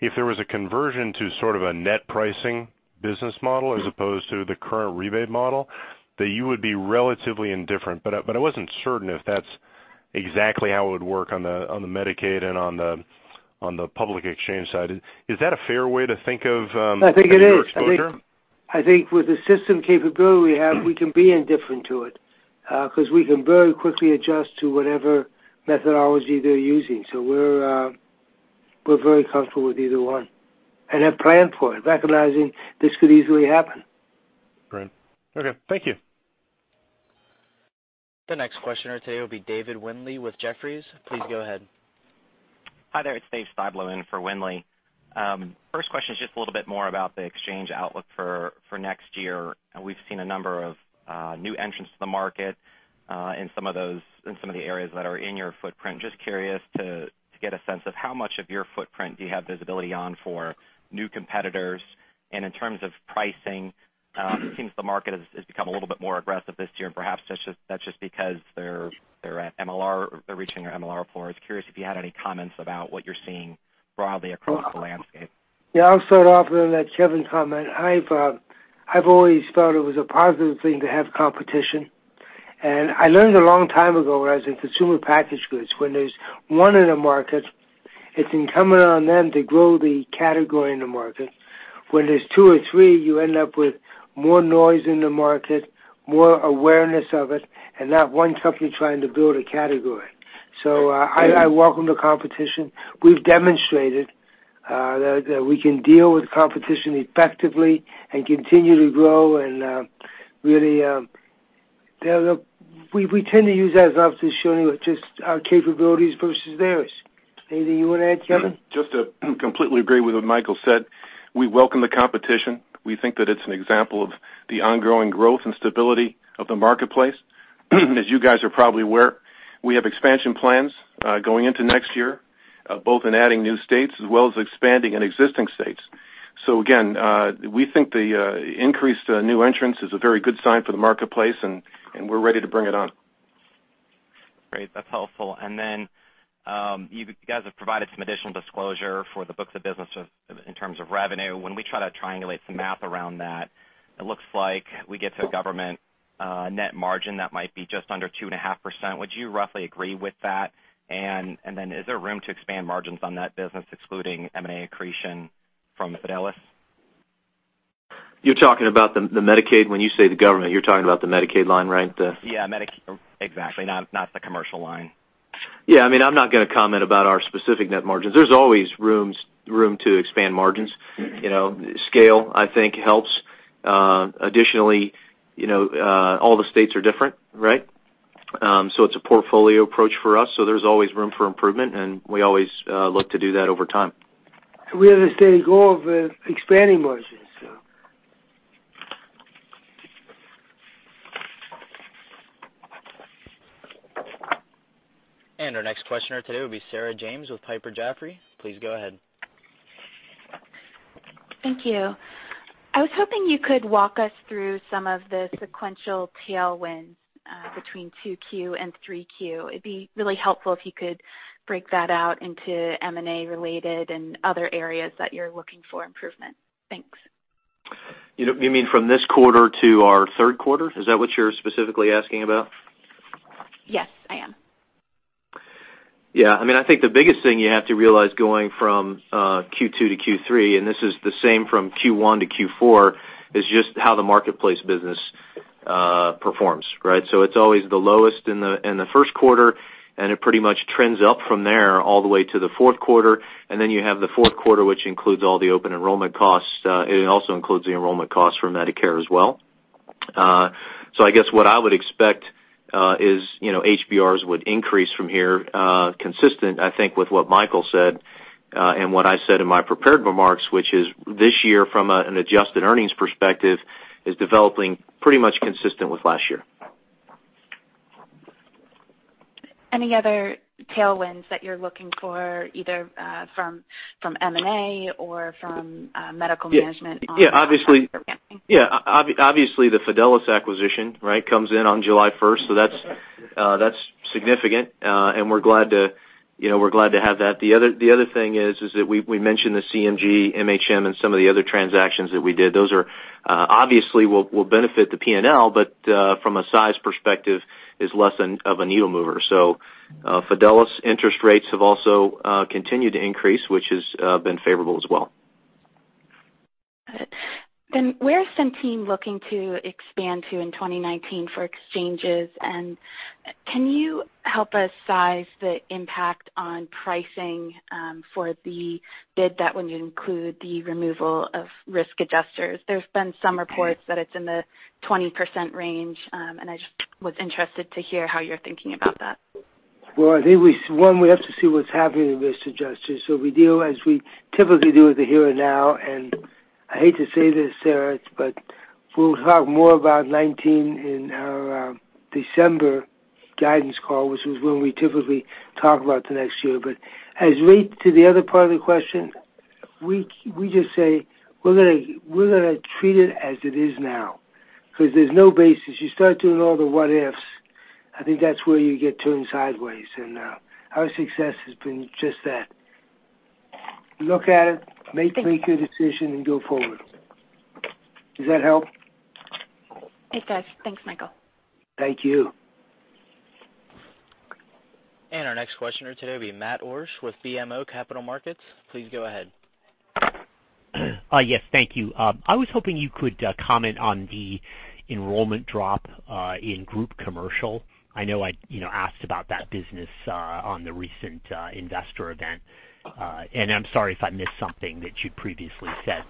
if there was a conversion to sort of a net pricing business model as opposed to the current rebate model, that you would be relatively indifferent. I wasn't certain if that's exactly how it would work on the Medicaid and on the public exchange side. Is that a fair way to think of? I think it is your exposure? I think with the system capability we have, we can be indifferent to it, because we can very quickly adjust to whatever methodology they're using. We're very comfortable with either one and have planned for it, recognizing this could easily happen. Right. Okay. Thank you. The next questioner today will be David Shibel with Jefferies. Please go ahead. Hi there. It's David Shibel in for Windley. First question is just a little bit more about the exchange outlook for next year. We've seen a number of new entrants to the market, in some of the areas that are in your footprint. Just curious to get a sense of how much of your footprint do you have visibility on for new competitors? In terms of pricing, it seems the market has become a little bit more aggressive this year, and perhaps that's just because they're at MLR, they're reaching their MLR floor. I was curious if you had any comments about what you're seeing broadly across the landscape. I'll start off with that Kevin comment. I've always felt it was a positive thing to have competition. I learned a long time ago when I was in consumer packaged goods, when there's one in a market, it's incumbent on them to grow the category in the market. When there's two or three, you end up with more noise in the market, more awareness of it, and not one company trying to build a category. I welcome the competition. We've demonstrated that we can deal with competition effectively and continue to grow, and really, we tend to use that as an opportunity to show just our capabilities versus theirs. Anything you want to add, Kevin? Just to completely agree with what Michael said, we welcome the competition. We think that it's an example of the ongoing growth and stability of the marketplace. As you guys are probably aware, we have expansion plans going into next year, both in adding new states as well as expanding in existing states. Again, we think the increased new entrants is a very good sign for the marketplace, and we're ready to bring it on. Great. That's helpful. You guys have provided some additional disclosure for the books of business in terms of revenue. When we try to triangulate some math around that, it looks like we get to a government net margin that might be just under 2.5%. Would you roughly agree with that? Is there room to expand margins on that business, excluding M&A accretion from Fidelis? You're talking about the Medicaid, when you say the government, you're talking about the Medicaid line, right? Yeah, exactly. Not the commercial line. Yeah, I mean, I'm not going to comment about our specific net margins. There's always room to expand margins. Scale, I think helps. Additionally, all the states are different, right? It's a portfolio approach for us, so there's always room for improvement, and we always look to do that over time. We have a stated goal of expanding margins, so Our next questioner today will be Sarah James with Piper Jaffray. Please go ahead. Thank you. I was hoping you could walk us through some of the sequential tailwinds between 2Q and 3Q. It would be really helpful if you could break that out into M&A related and other areas that you're looking for improvement. Thanks. You mean from this quarter to our third quarter? Is that what you're specifically asking about? Yes, I am. Yeah. I think the biggest thing you have to realize going from Q2 to Q3, and this is the same from Q1 to Q4, is just how the marketplace business performs, right? It's always the lowest in the first quarter, and it pretty much trends up from there all the way to the fourth quarter. You have the fourth quarter, which includes all the open enrollment costs. It also includes the enrollment costs for Medicare as well. I guess what I would expect, is HBRs would increase from here, consistent, I think, with what Michael said, and what I said in my prepared remarks, which is this year, from an adjusted earnings perspective, is developing pretty much consistent with last year. Any other tailwinds that you're looking for, either from M&A or from medical management? Yeah, obviously. Yeah. Obviously, the Fidelis acquisition, right, comes in on July 1st. That's significant, and we're glad to have that. The other thing is that we mentioned the CMG, MHM, and some of the other transactions that we did. Obviously will benefit the P&L, but from a size perspective is less of a needle mover. Fidelis interest rates have also continued to increase, which has been favorable as well. Got it. Where is Centene looking to expand to in 2019 for exchanges? Can you help us size the impact on pricing for the bid that would include the removal of Risk Adjusters? There's been some reports that it's in the 20% range, I just was interested to hear how you're thinking about that. Well, I think one, we have to see what's happening with Risk Adjusters. We deal as we typically do with the here and now, I hate to say this, Sarah, we'll talk more about 2019 in our December guidance call, which is when we typically talk about the next year. As relate to the other part of the question, we just say we're going to treat it as it is now, because there's no basis. You start doing all the what-ifs, I think that's where you get turned sideways, our success has been just that. Look at it, make your decision, go forward. Does that help? It does. Thanks, Michael. Thank you. Our next questioner today will be Matt Borsch with BMO Capital Markets. Please go ahead. Yes, thank you. I was hoping you could comment on the enrollment drop in group commercial. I know I asked about that business on the recent investor event. I'm sorry if I missed something that you'd previously said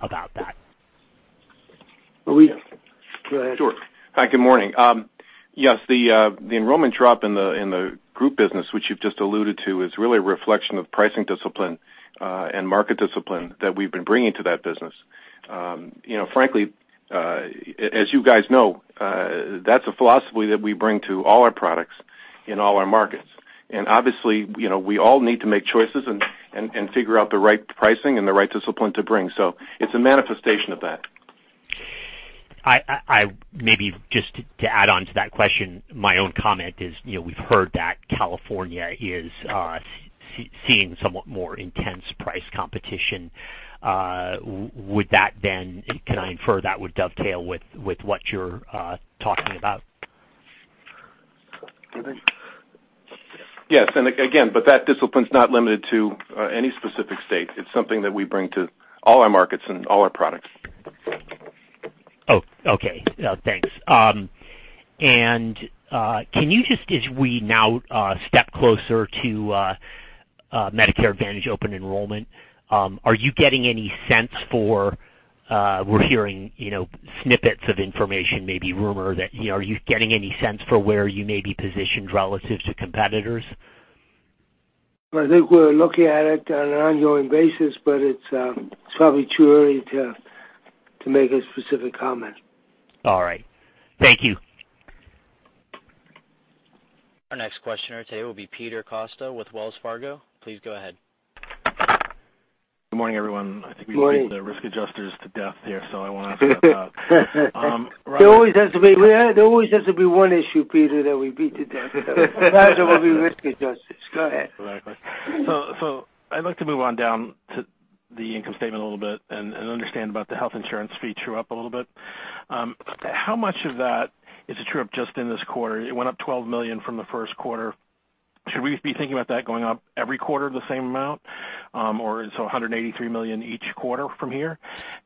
about that. Kevin Counihan, go ahead. Sure. Hi, good morning. Yes, the enrollment drop in the group business, which you've just alluded to, is really a reflection of pricing discipline, and market discipline that we've been bringing to that business. Frankly, as you guys know, that's a philosophy that we bring to all our products in all our markets. Obviously, we all need to make choices and figure out the right pricing and the right discipline to bring. It's a manifestation of that. Maybe just to add onto that question, my own comment is, we've heard that California is seeing somewhat more intense price competition. Can I infer that would dovetail with what you're talking about? Yes. Again, that discipline's not limited to any specific state. It's something that we bring to all our markets and all our products. Oh, okay. Thanks. Can you just, as we now step closer to Medicare Advantage open enrollment, we're hearing snippets of information, maybe rumor that, are you getting any sense for where you may be positioned relative to competitors? I think we're looking at it on an ongoing basis, but it's probably too early to make a specific comment. All right. Thank you. Our next questioner today will be Peter Costa with Wells Fargo. Please go ahead. Good morning, everyone. Morning. I think we beat the risk adjusters to death here, so I won't ask about that. There always has to be one issue, Peter, that we beat to death. Besides it will be risk adjusters. Go ahead. Exactly. I'd like to move on down to the income statement a little bit and understand about the Health Insurance Fee true-up a little bit. How much of that is a true-up just in this quarter? It went up $12 million from the first quarter. Should we be thinking about that going up every quarter the same amount? Or $183 million each quarter from here?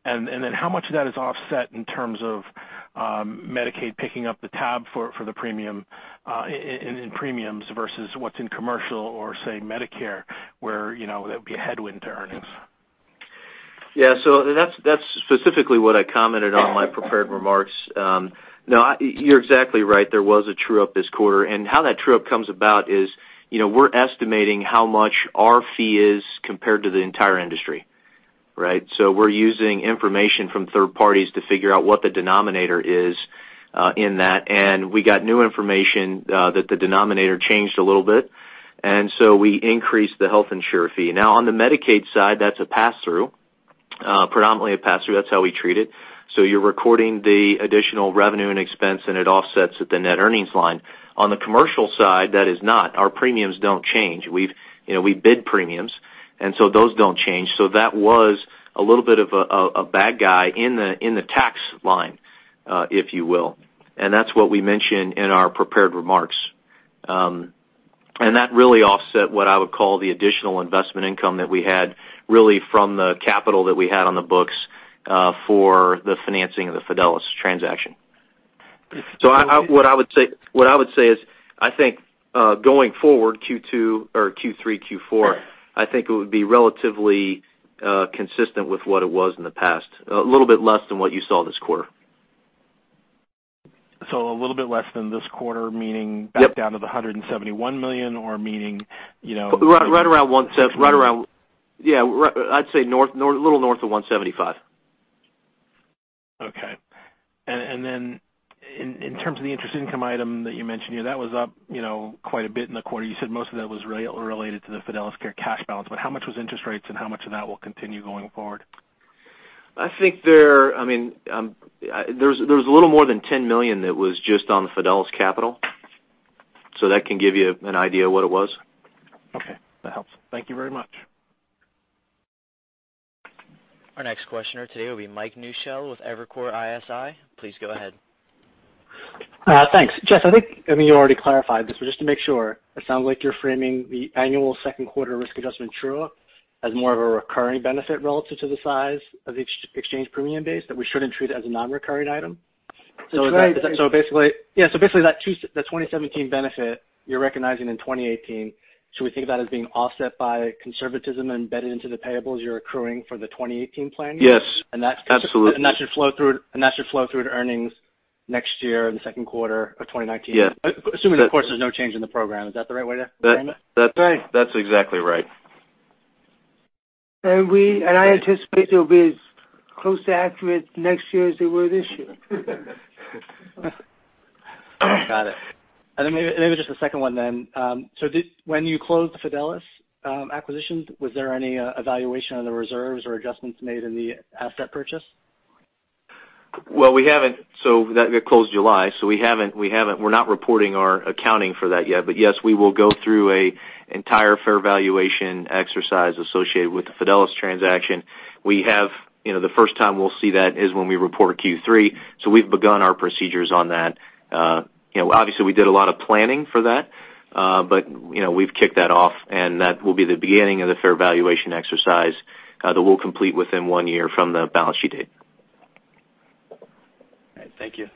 Then how much of that is offset in terms of Medicaid picking up the tab for the premium, in premiums versus what's in commercial or, say, Medicare, where that would be a headwind to earnings? Yeah. That's specifically what I commented on in my prepared remarks. No, you're exactly right. There was a true-up this quarter, how that true-up comes about is, we're estimating how much our fee is compared to the entire industry. Right? We're using information from third parties to figure out what the denominator is in that, we got new information that the denominator changed a little bit, we increased the Health Insurance Fee. Now on the Medicaid side, that's a pass-through, predominantly a pass-through. That's how we treat it. You're recording the additional revenue and expense, it offsets at the net earnings line. On the commercial side, that is not. Our premiums don't change. We bid premiums, those don't change. That was a little bit of a bad guy in the tax line, if you will. That's what we mention in our prepared remarks. That really offset what I would call the additional investment income that we had, really from the capital that we had on the books, for the financing of the Fidelis transaction. What I would say is, I think, going forward, Q2 or Q3, Q4, I think it would be relatively consistent with what it was in the past. A little bit less than what you saw this quarter. A little bit less than this quarter, meaning back down to the $171 million. I'd say a little north of $175 million. Okay. Then in terms of the interest income item that you mentioned, that was up quite a bit in the quarter. You said most of that was related to the Fidelis Care cash balance, but how much was interest rates and how much of that will continue going forward? I think there's a little more than $10 million that was just on the Fidelis capital. That can give you an idea of what it was. Okay, that helps. Thank you very much. Our next questioner today will be Michael Newshel with Evercore ISI. Please go ahead. Thanks. Jeff, I think you already clarified this, just to make sure, it sounds like you're framing the annual second quarter Risk Adjustment true-up as more of a recurring benefit relative to the size of the exchange premium base that we shouldn't treat as a non-recurring item. That's right. Basically, that 2017 benefit, you're recognizing in 2018, should we think of that as being offset by conservatism embedded into the payables you're accruing for the 2018 plan? Yes. Absolutely. That should flow through to earnings next year in the second quarter of 2019? Yes. Assuming, of course, there's no change in the program. Is that the right way to frame it? That's right. That's exactly right. I anticipate they'll be as close to accurate next year as they were this year. Got it. Then maybe just a second one then. When you closed the Fidelis acquisition, was there any evaluation on the reserves or adjustments made in the asset purchase? That closed July, we're not reporting our accounting for that yet. Yes, we will go through an entire fair valuation exercise associated with the Fidelis transaction. The first time we'll see that is when we report Q3. We've begun our procedures on that. Obviously, we did a lot of planning for that. We've kicked that off, and that will be the beginning of the fair valuation exercise, that we'll complete within one year from the balance sheet date. All right. Thank you.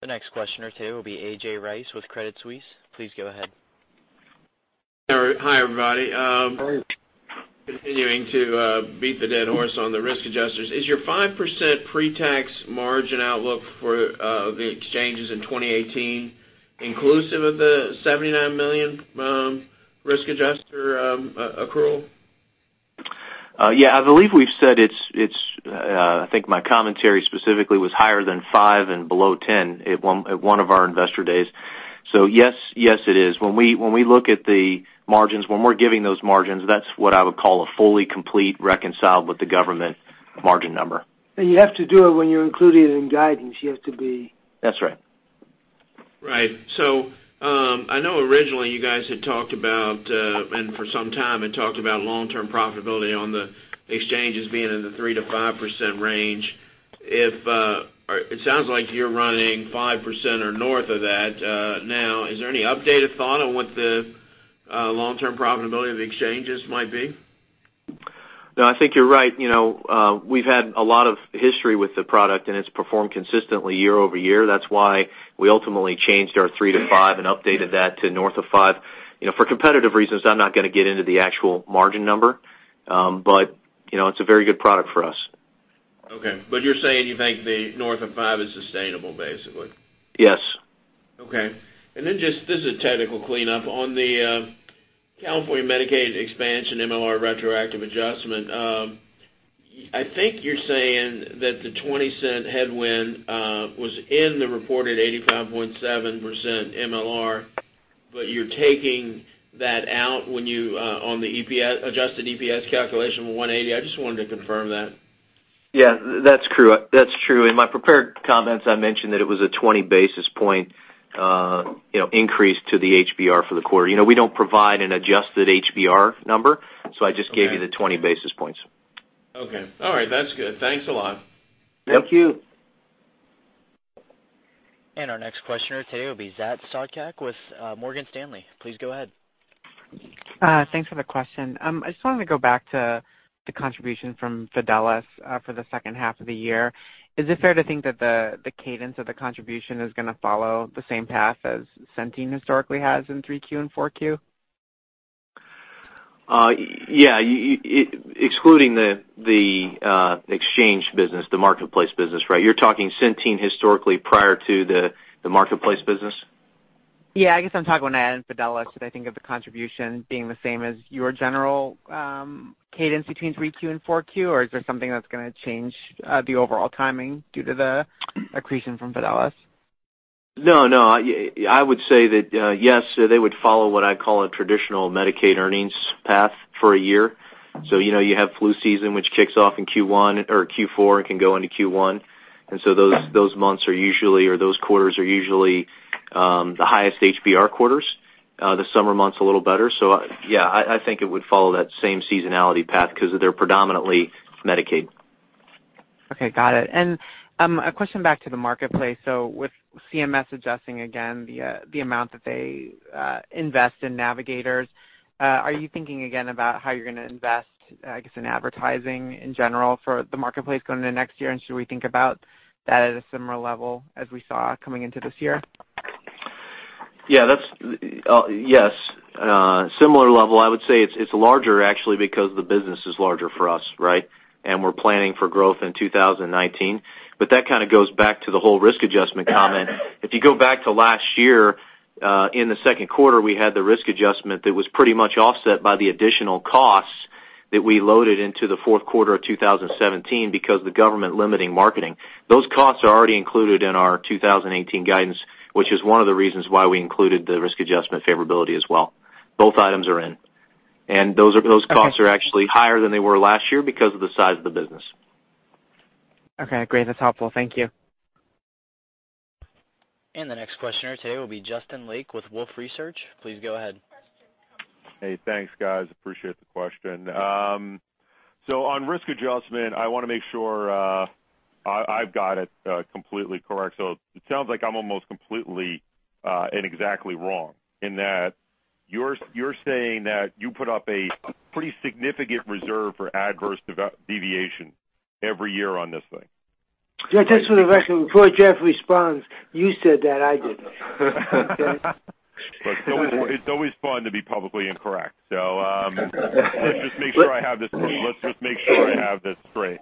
The next questioner today will be A.J. Rice with Credit Suisse. Please go ahead. Hi, everybody. Hi. Continuing to beat the dead horse on the risk adjusters. Is your 5% pre-tax margin outlook for the exchanges in 2018 inclusive of the $79 million risk adjuster accrual? Yeah, I believe we've said, I think my commentary specifically was higher than five and below 10 at one of our investor days. Yes, it is. When we look at the margins, when we're giving those margins, that's what I would call a fully complete reconciled with the government margin number. You have to do it when you include it in guidance. You have to be That's right. Right. I know originally you guys had talked about, and for some time, had talked about long-term profitability on the exchanges being in the 3%-5% range. It sounds like you're running 5% or north of that now. Is there any updated thought on what the long-term profitability of the exchanges might be? No, I think you're right. We've had a lot of history with the product, and it's performed consistently year-over-year. That's why we ultimately changed our 3%-5% and updated that to north of 5%. For competitive reasons, I'm not going to get into the actual margin number. It's a very good product for us. Okay. You're saying you think the north of five is sustainable, basically? Yes. Okay. This is a technical cleanup, on the California Medicaid expansion MLR retroactive adjustment, I think you're saying that the $0.20 headwind was in the reported 85.7% MLR, you're taking that out on the adjusted EPS calculation of $180. I just wanted to confirm that. Yeah, that's true. In my prepared comments, I mentioned that it was a 20 basis point increase to the HBR for the quarter. We don't provide an adjusted HBR number, so I just gave you the 20 basis points. Okay. All right. That's good. Thanks a lot. Thank you. Our next questioner today will be Zachary Sopcak with Morgan Stanley. Please go ahead. Thanks for the question. I just wanted to go back to the contribution from Fidelis for the second half of the year. Is it fair to think that the cadence of the contribution is going to follow the same path as Centene historically has in Q3 and Q4? Yeah. Excluding the exchange business, the marketplace business. You're talking Centene historically prior to the marketplace business? Yeah, I guess I'm talking when adding Fidelis, should I think of the contribution being the same as your general cadence between Q3 and Q4, or is there something that's going to change the overall timing due to the accretion from Fidelis? No, I would say that, yes, they would follow what I call a traditional Medicaid earnings path for a year. You have flu season, which kicks off in Q4 and can go into Q1. Okay months are usually, or those quarters are usually the highest HBR quarters. The summer months a little better. Yeah, I think it would follow that same seasonality path because they're predominantly Medicaid. Okay. Got it. A question back to the marketplace. With CMS adjusting again the amount that they invest in navigators, are you thinking again about how you're going to invest, I guess, in advertising in general for the marketplace going into next year? Should we think about that at a similar level as we saw coming into this year? Yes. Similar level, I would say it's larger actually because the business is larger for us. We're planning for growth in 2019. That kind of goes back to the whole Risk Adjustment comment. If you go back to last year, in the second quarter, we had the Risk Adjustment that was pretty much offset by the additional costs that we loaded into the fourth quarter of 2017 because of the government limiting marketing. Those costs are already included in our 2018 guidance, which is one of the reasons why we included the Risk Adjustment favorability as well. Both items are in. Those costs are actually higher than they were last year because of the size of the business. Okay, great. That's helpful. Thank you. The next questioner today will be Justin Lake with Wolfe Research. Please go ahead. Hey, thanks, guys. Appreciate the question. On risk adjustment, I want to make sure I've got it completely correct. It sounds like I'm almost completely and exactly wrong in that you're saying that you put up a pretty significant reserve for adverse deviation every year on this thing. Just for the record, before Jeff responds, you said that, I didn't. It's always fun to be publicly incorrect. Let's just make sure I have this straight.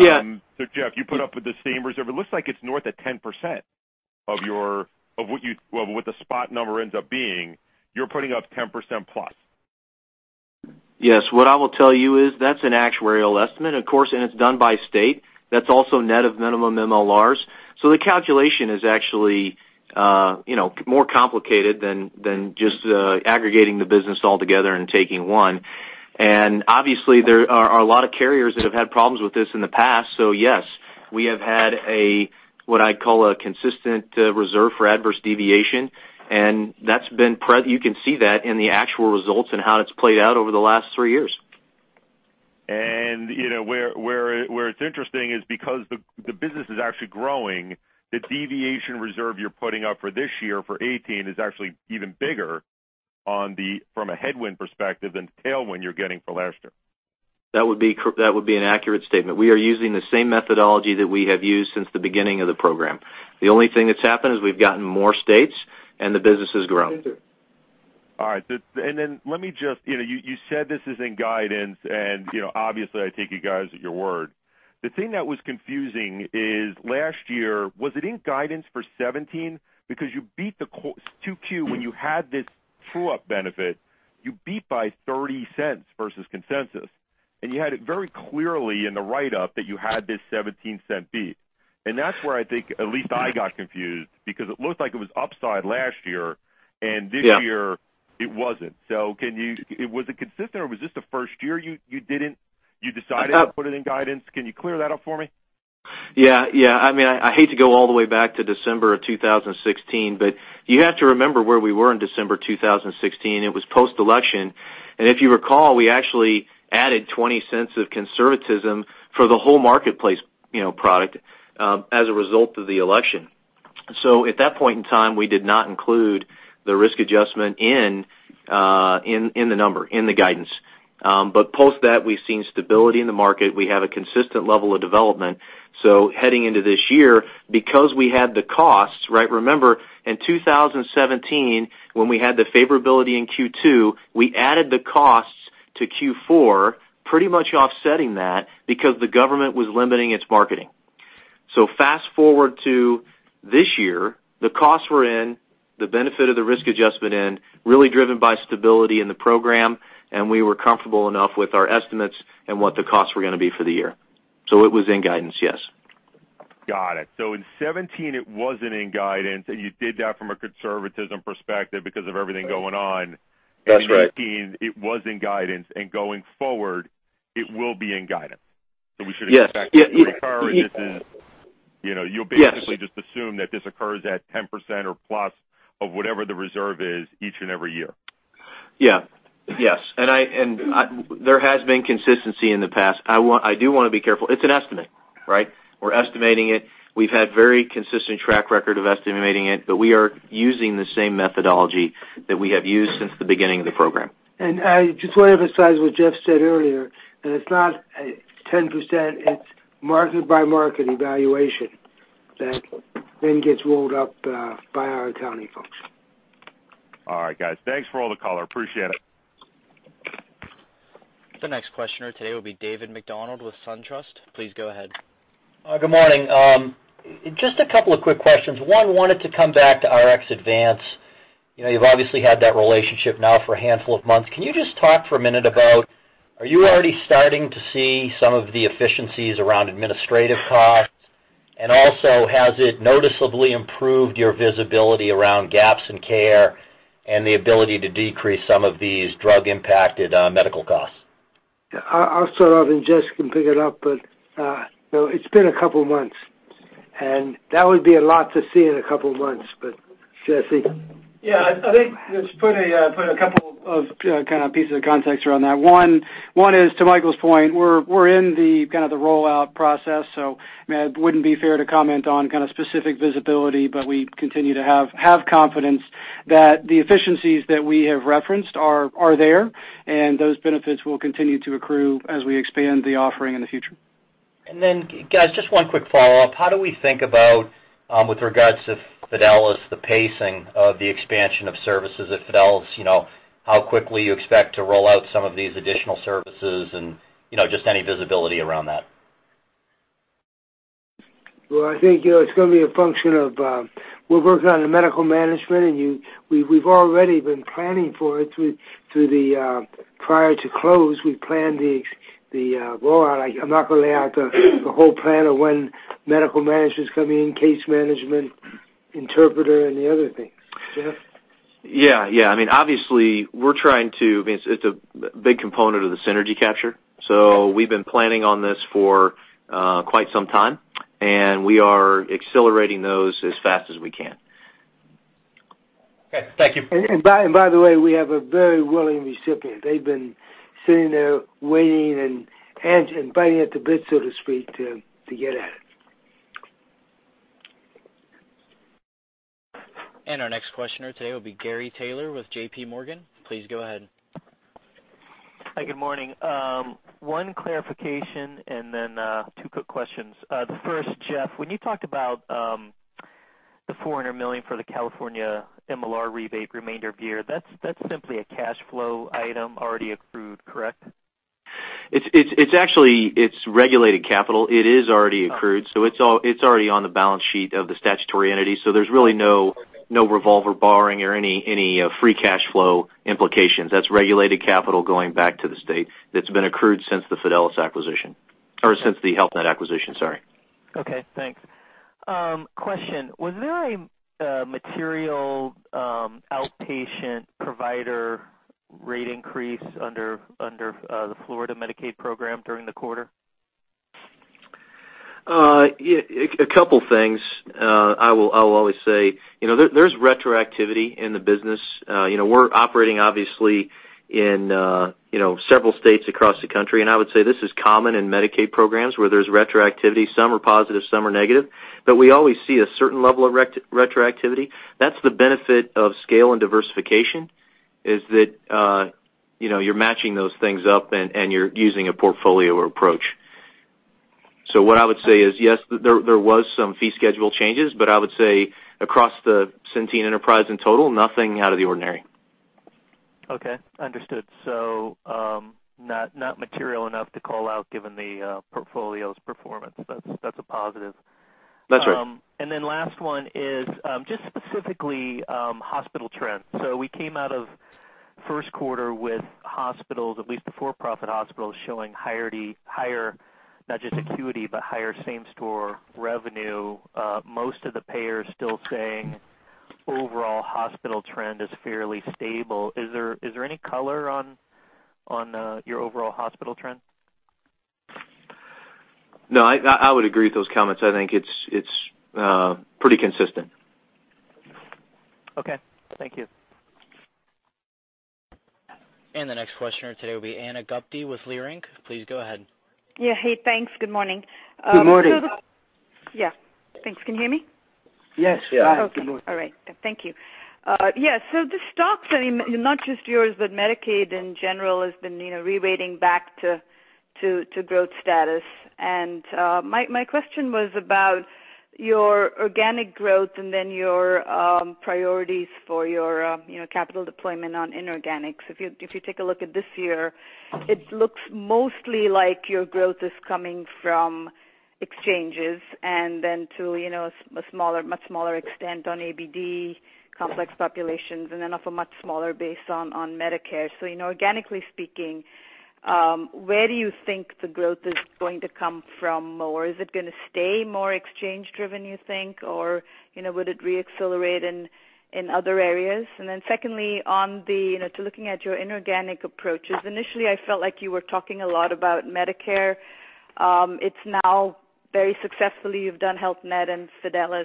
Yeah. Jeff, you put up with the same reserve. It looks like it's north of 10% of what the spot number ends up being. You're putting up 10% plus. Yes. What I will tell you is that's an actuarial estimate, of course, and it's done by state. That's also net of minimum MLRs. The calculation is actually more complicated than just aggregating the business all together and taking one. Obviously there are a lot of carriers that have had problems with this in the past. Yes, we have had what I'd call a consistent reserve for adverse deviation, and you can see that in the actual results and how it's played out over the last three years. Where it's interesting is because the business is actually growing, the deviation reserve you're putting up for this year, for 2018, is actually even bigger from a headwind perspective than the tailwind you're getting for last year. That would be an accurate statement. We are using the same methodology that we have used since the beginning of the program. The only thing that's happened is we've gotten more states and the business has grown. All right. Then let me just You said this is in guidance and obviously I take you guys at your word. The thing that was confusing is last year, was it in guidance for 2017? You beat the 2Q, when you had this true-up benefit, you beat by $0.30 versus consensus. You had it very clearly in the write-up that you had this $0.17 beat. That's where I think at least I got confused, because it looked like it was upside last year, and this year it wasn't. Was it consistent or was this the first year you decided not to put it in guidance? Can you clear that up for me? Yeah. I hate to go all the way back to December of 2016, you have to remember where we were in December 2016. It was post-election. If you recall, we actually added $0.20 of conservatism for the whole marketplace product, as a result of the election. At that point in time, we did not include the Risk Adjustment in the number, in the guidance. Post that, we've seen stability in the market. We have a consistent level of development. Heading into this year, because we had the costs, right? Remember in 2017, when we had the favorability in Q2, we added the costs to Q4, pretty much offsetting that because the government was limiting its marketing. Fast-forward to this year, the costs were in, the benefit of the Risk Adjustment in, really driven by stability in the program, and we were comfortable enough with our estimates and what the costs were going to be for the year. It was in guidance, yes. Got it. In 2017, it wasn't in guidance, and you did that from a conservatism perspective because of everything going on. That's right. In 2018, it was in guidance. Going forward, it will be in guidance. We should expect. Yes This will recur. You'll basically just assume that this occurs at 10% or plus of whatever the reserve is each and every year. Yeah. Yes. There has been consistency in the past. I do want to be careful. It's an estimate, right? We're estimating it. We've had very consistent track record of estimating it. We are using the same methodology that we have used since the beginning of the program. I just want to emphasize what Jeff said earlier, that it's not 10%, it's market-by-market evaluation that then gets rolled up, by our accounting function. All right, guys. Thanks for all the color. Appreciate it. The next questioner today will be David MacDonald with SunTrust. Please go ahead. Good morning. Just a couple of quick questions. One, wanted to come back to RxAdvance. You've obviously had that relationship now for a handful of months. Can you just talk for a minute about, are you already starting to see some of the efficiencies around administrative costs? Also, has it noticeably improved your visibility around gaps in care and the ability to decrease some of these drug-impacted medical costs? I'll start off, Jeff can pick it up. It's been a couple of months, that would be a lot to see in a couple of months. Jeff, hey. I think just put a couple of kind of pieces of context around that. One is to Michael's point, we're in the rollout process, it wouldn't be fair to comment on specific visibility, we continue to have confidence that the efficiencies that we have referenced are there, those benefits will continue to accrue as we expand the offering in the future. Guys, just one quick follow-up. How do we think about, with regards to Fidelis Care, the pacing of the expansion of services at Fidelis Care? How quickly you expect to roll out some of these additional services and just any visibility around that. I think it's going to be a function of, we're working on the medical management, we've already been planning for it through the, prior to close, we planned the rollout. I'm not going to lay out the whole plan of when medical management's coming in, case management, Interpreta, and the other things. Jeff? Yeah. It's a big component of the synergy capture. We've been planning on this for quite some time, we are accelerating those as fast as we can. Okay. Thank you. By the way, we have a very willing recipient. They've been sitting there waiting and biting at the bit, so to speak, to get at it. Our next questioner today will be Gary Taylor with J.P. Morgan. Please go ahead. Hi, good morning. One clarification and then two quick questions. The first, Jeff, when you talked about, the $400 million for the California MLR rebate remainder of year, that's simply a cash flow item already accrued, correct? It's regulated capital. It is already accrued. It's already on the balance sheet of the statutory entity. There's really no revolver borrowing or any free cash flow implications. That's regulated capital going back to the state that's been accrued since the Fidelis acquisition, or since the Health Net acquisition, sorry. Okay, thanks. Question, was there a material outpatient provider rate increase under the Florida Medicaid program during the quarter? A couple things. I will always say, there's retroactivity in the business. We're operating, obviously, in several states across the country. I would say this is common in Medicaid programs where there's retroactivity. Some are positive, some are negative. We always see a certain level of retroactivity. That's the benefit of scale and diversification, is that you're matching those things up and you're using a portfolio approach. What I would say is, yes, there was some fee schedule changes. I would say across the Centene enterprise in total, nothing out of the ordinary. Understood. Not material enough to call out given the portfolio's performance. That's a positive. That's right. Last one is, just specifically hospital trends. We came out of first quarter with hospitals, at least the for-profit hospitals, showing higher, not just acuity, but higher same store revenue. Most of the payers still saying overall hospital trend is fairly stable. Is there any color on your overall hospital trend? No, I would agree with those comments. I think it's pretty consistent. Okay. Thank you. The next questioner today will be Ana Gupte with Leerink Partners. Please go ahead. Yeah. Hey, thanks. Good morning. Good morning. Yeah. Thanks. Can you hear me? Yes. Yeah. Good. Okay. All right. Thank you. Yeah. The stocks, not just yours, but Medicaid in general has been reweighting back to growth status. My question was about your organic growth and then your priorities for your capital deployment on inorganics. If you take a look at this year, it looks mostly like your growth is coming from exchanges and then to a much smaller extent on ABD complex populations, and then off a much smaller base on Medicare. Organically speaking, where do you think the growth is going to come from? Or is it going to stay more exchange driven, you think, or would it re-accelerate in other areas? Secondly, to looking at your inorganic approaches. Initially, I felt like you were talking a lot about Medicare. It's now very successfully, you've done Health Net and Fidelis.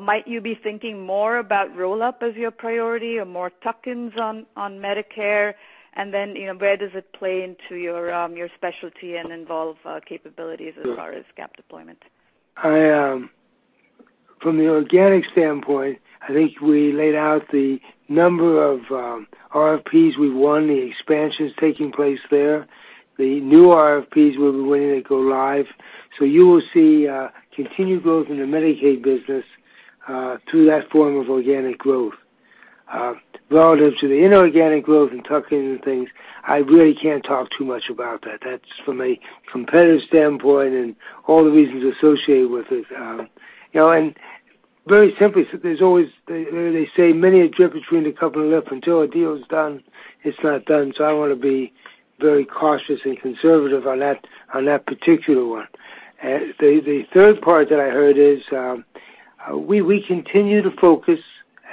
Might you be thinking more about roll-up as your priority or more tuck-ins on Medicare? Then, where does it play into your specialty and Envolve capabilities as far as cap deployment? From the organic standpoint, I think we laid out the number of RFPs we won, the expansions taking place there. The new RFPs we'll be waiting to go live. You will see continued growth in the Medicaid business through that form of organic growth. Relative to the inorganic growth and tuck-in and things, I really can't talk too much about that. That's from a competitive standpoint and all the reasons associated with it. Very simply, they say, "Many a trip between the cup and the lip." Until a deal is done, it's not done, so I want to be very cautious and conservative on that particular one. The third part that I heard is, we continue to focus,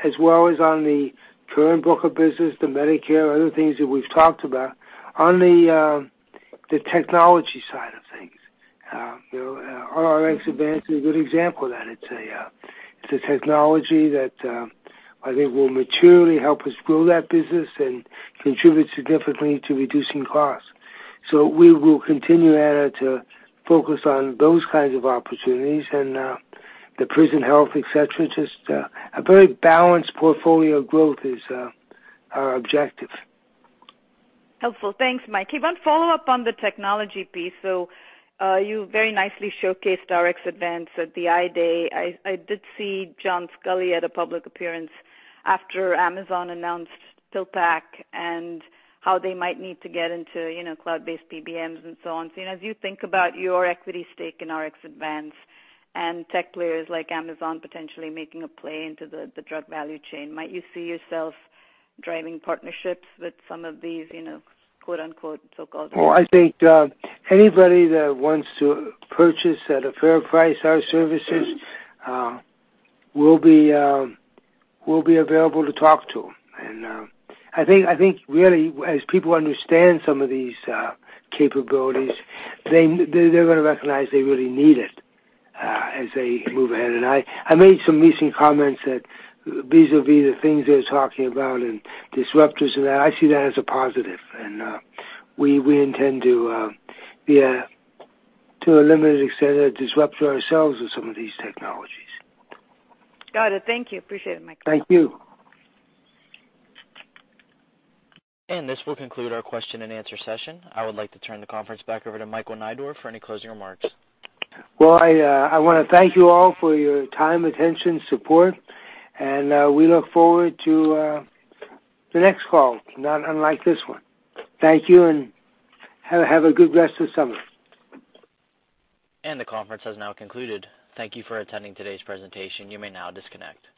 as well as on the current book of business, the Medicare, other things that we've talked about, on the technology side of things. RxAdvance is a good example of that. It's a technology that I think will materially help us grow that business and contribute significantly to reducing costs. We will continue, Ana, to focus on those kinds of opportunities and the prison health, et cetera. Just a very balanced portfolio growth is our objective. Helpful. Thanks, Mike. One follow-up on the technology piece. You very nicely showcased RxAdvance at the Investor Day. I did see John Sculley at a public appearance after Amazon announced PillPack and how they might need to get into cloud-based PBMs and so on. As you think about your equity stake in RxAdvance and tech players like Amazon potentially making a play into the drug value chain, might you see yourself driving partnerships with some of these "so-called" competitors? Well, I think anybody that wants to purchase at a fair price our services, we'll be available to talk to. I think really, as people understand some of these capabilities, they're going to recognize they really need it as they move ahead. I made some recent comments that vis-à-vis the things they're talking about and disruptors and that, I see that as a positive. We intend to a limited extent, disrupt ourselves with some of these technologies. Got it. Thank you. Appreciate it, Mike. Thank you. This will conclude our question and answer session. I would like to turn the conference back over to Michael Neidorff for any closing remarks. Well, I want to thank you all for your time, attention, support, we look forward to the next call, not unlike this one. Thank you, have a good rest of the summer. The conference has now concluded. Thank you for attending today's presentation. You may now disconnect.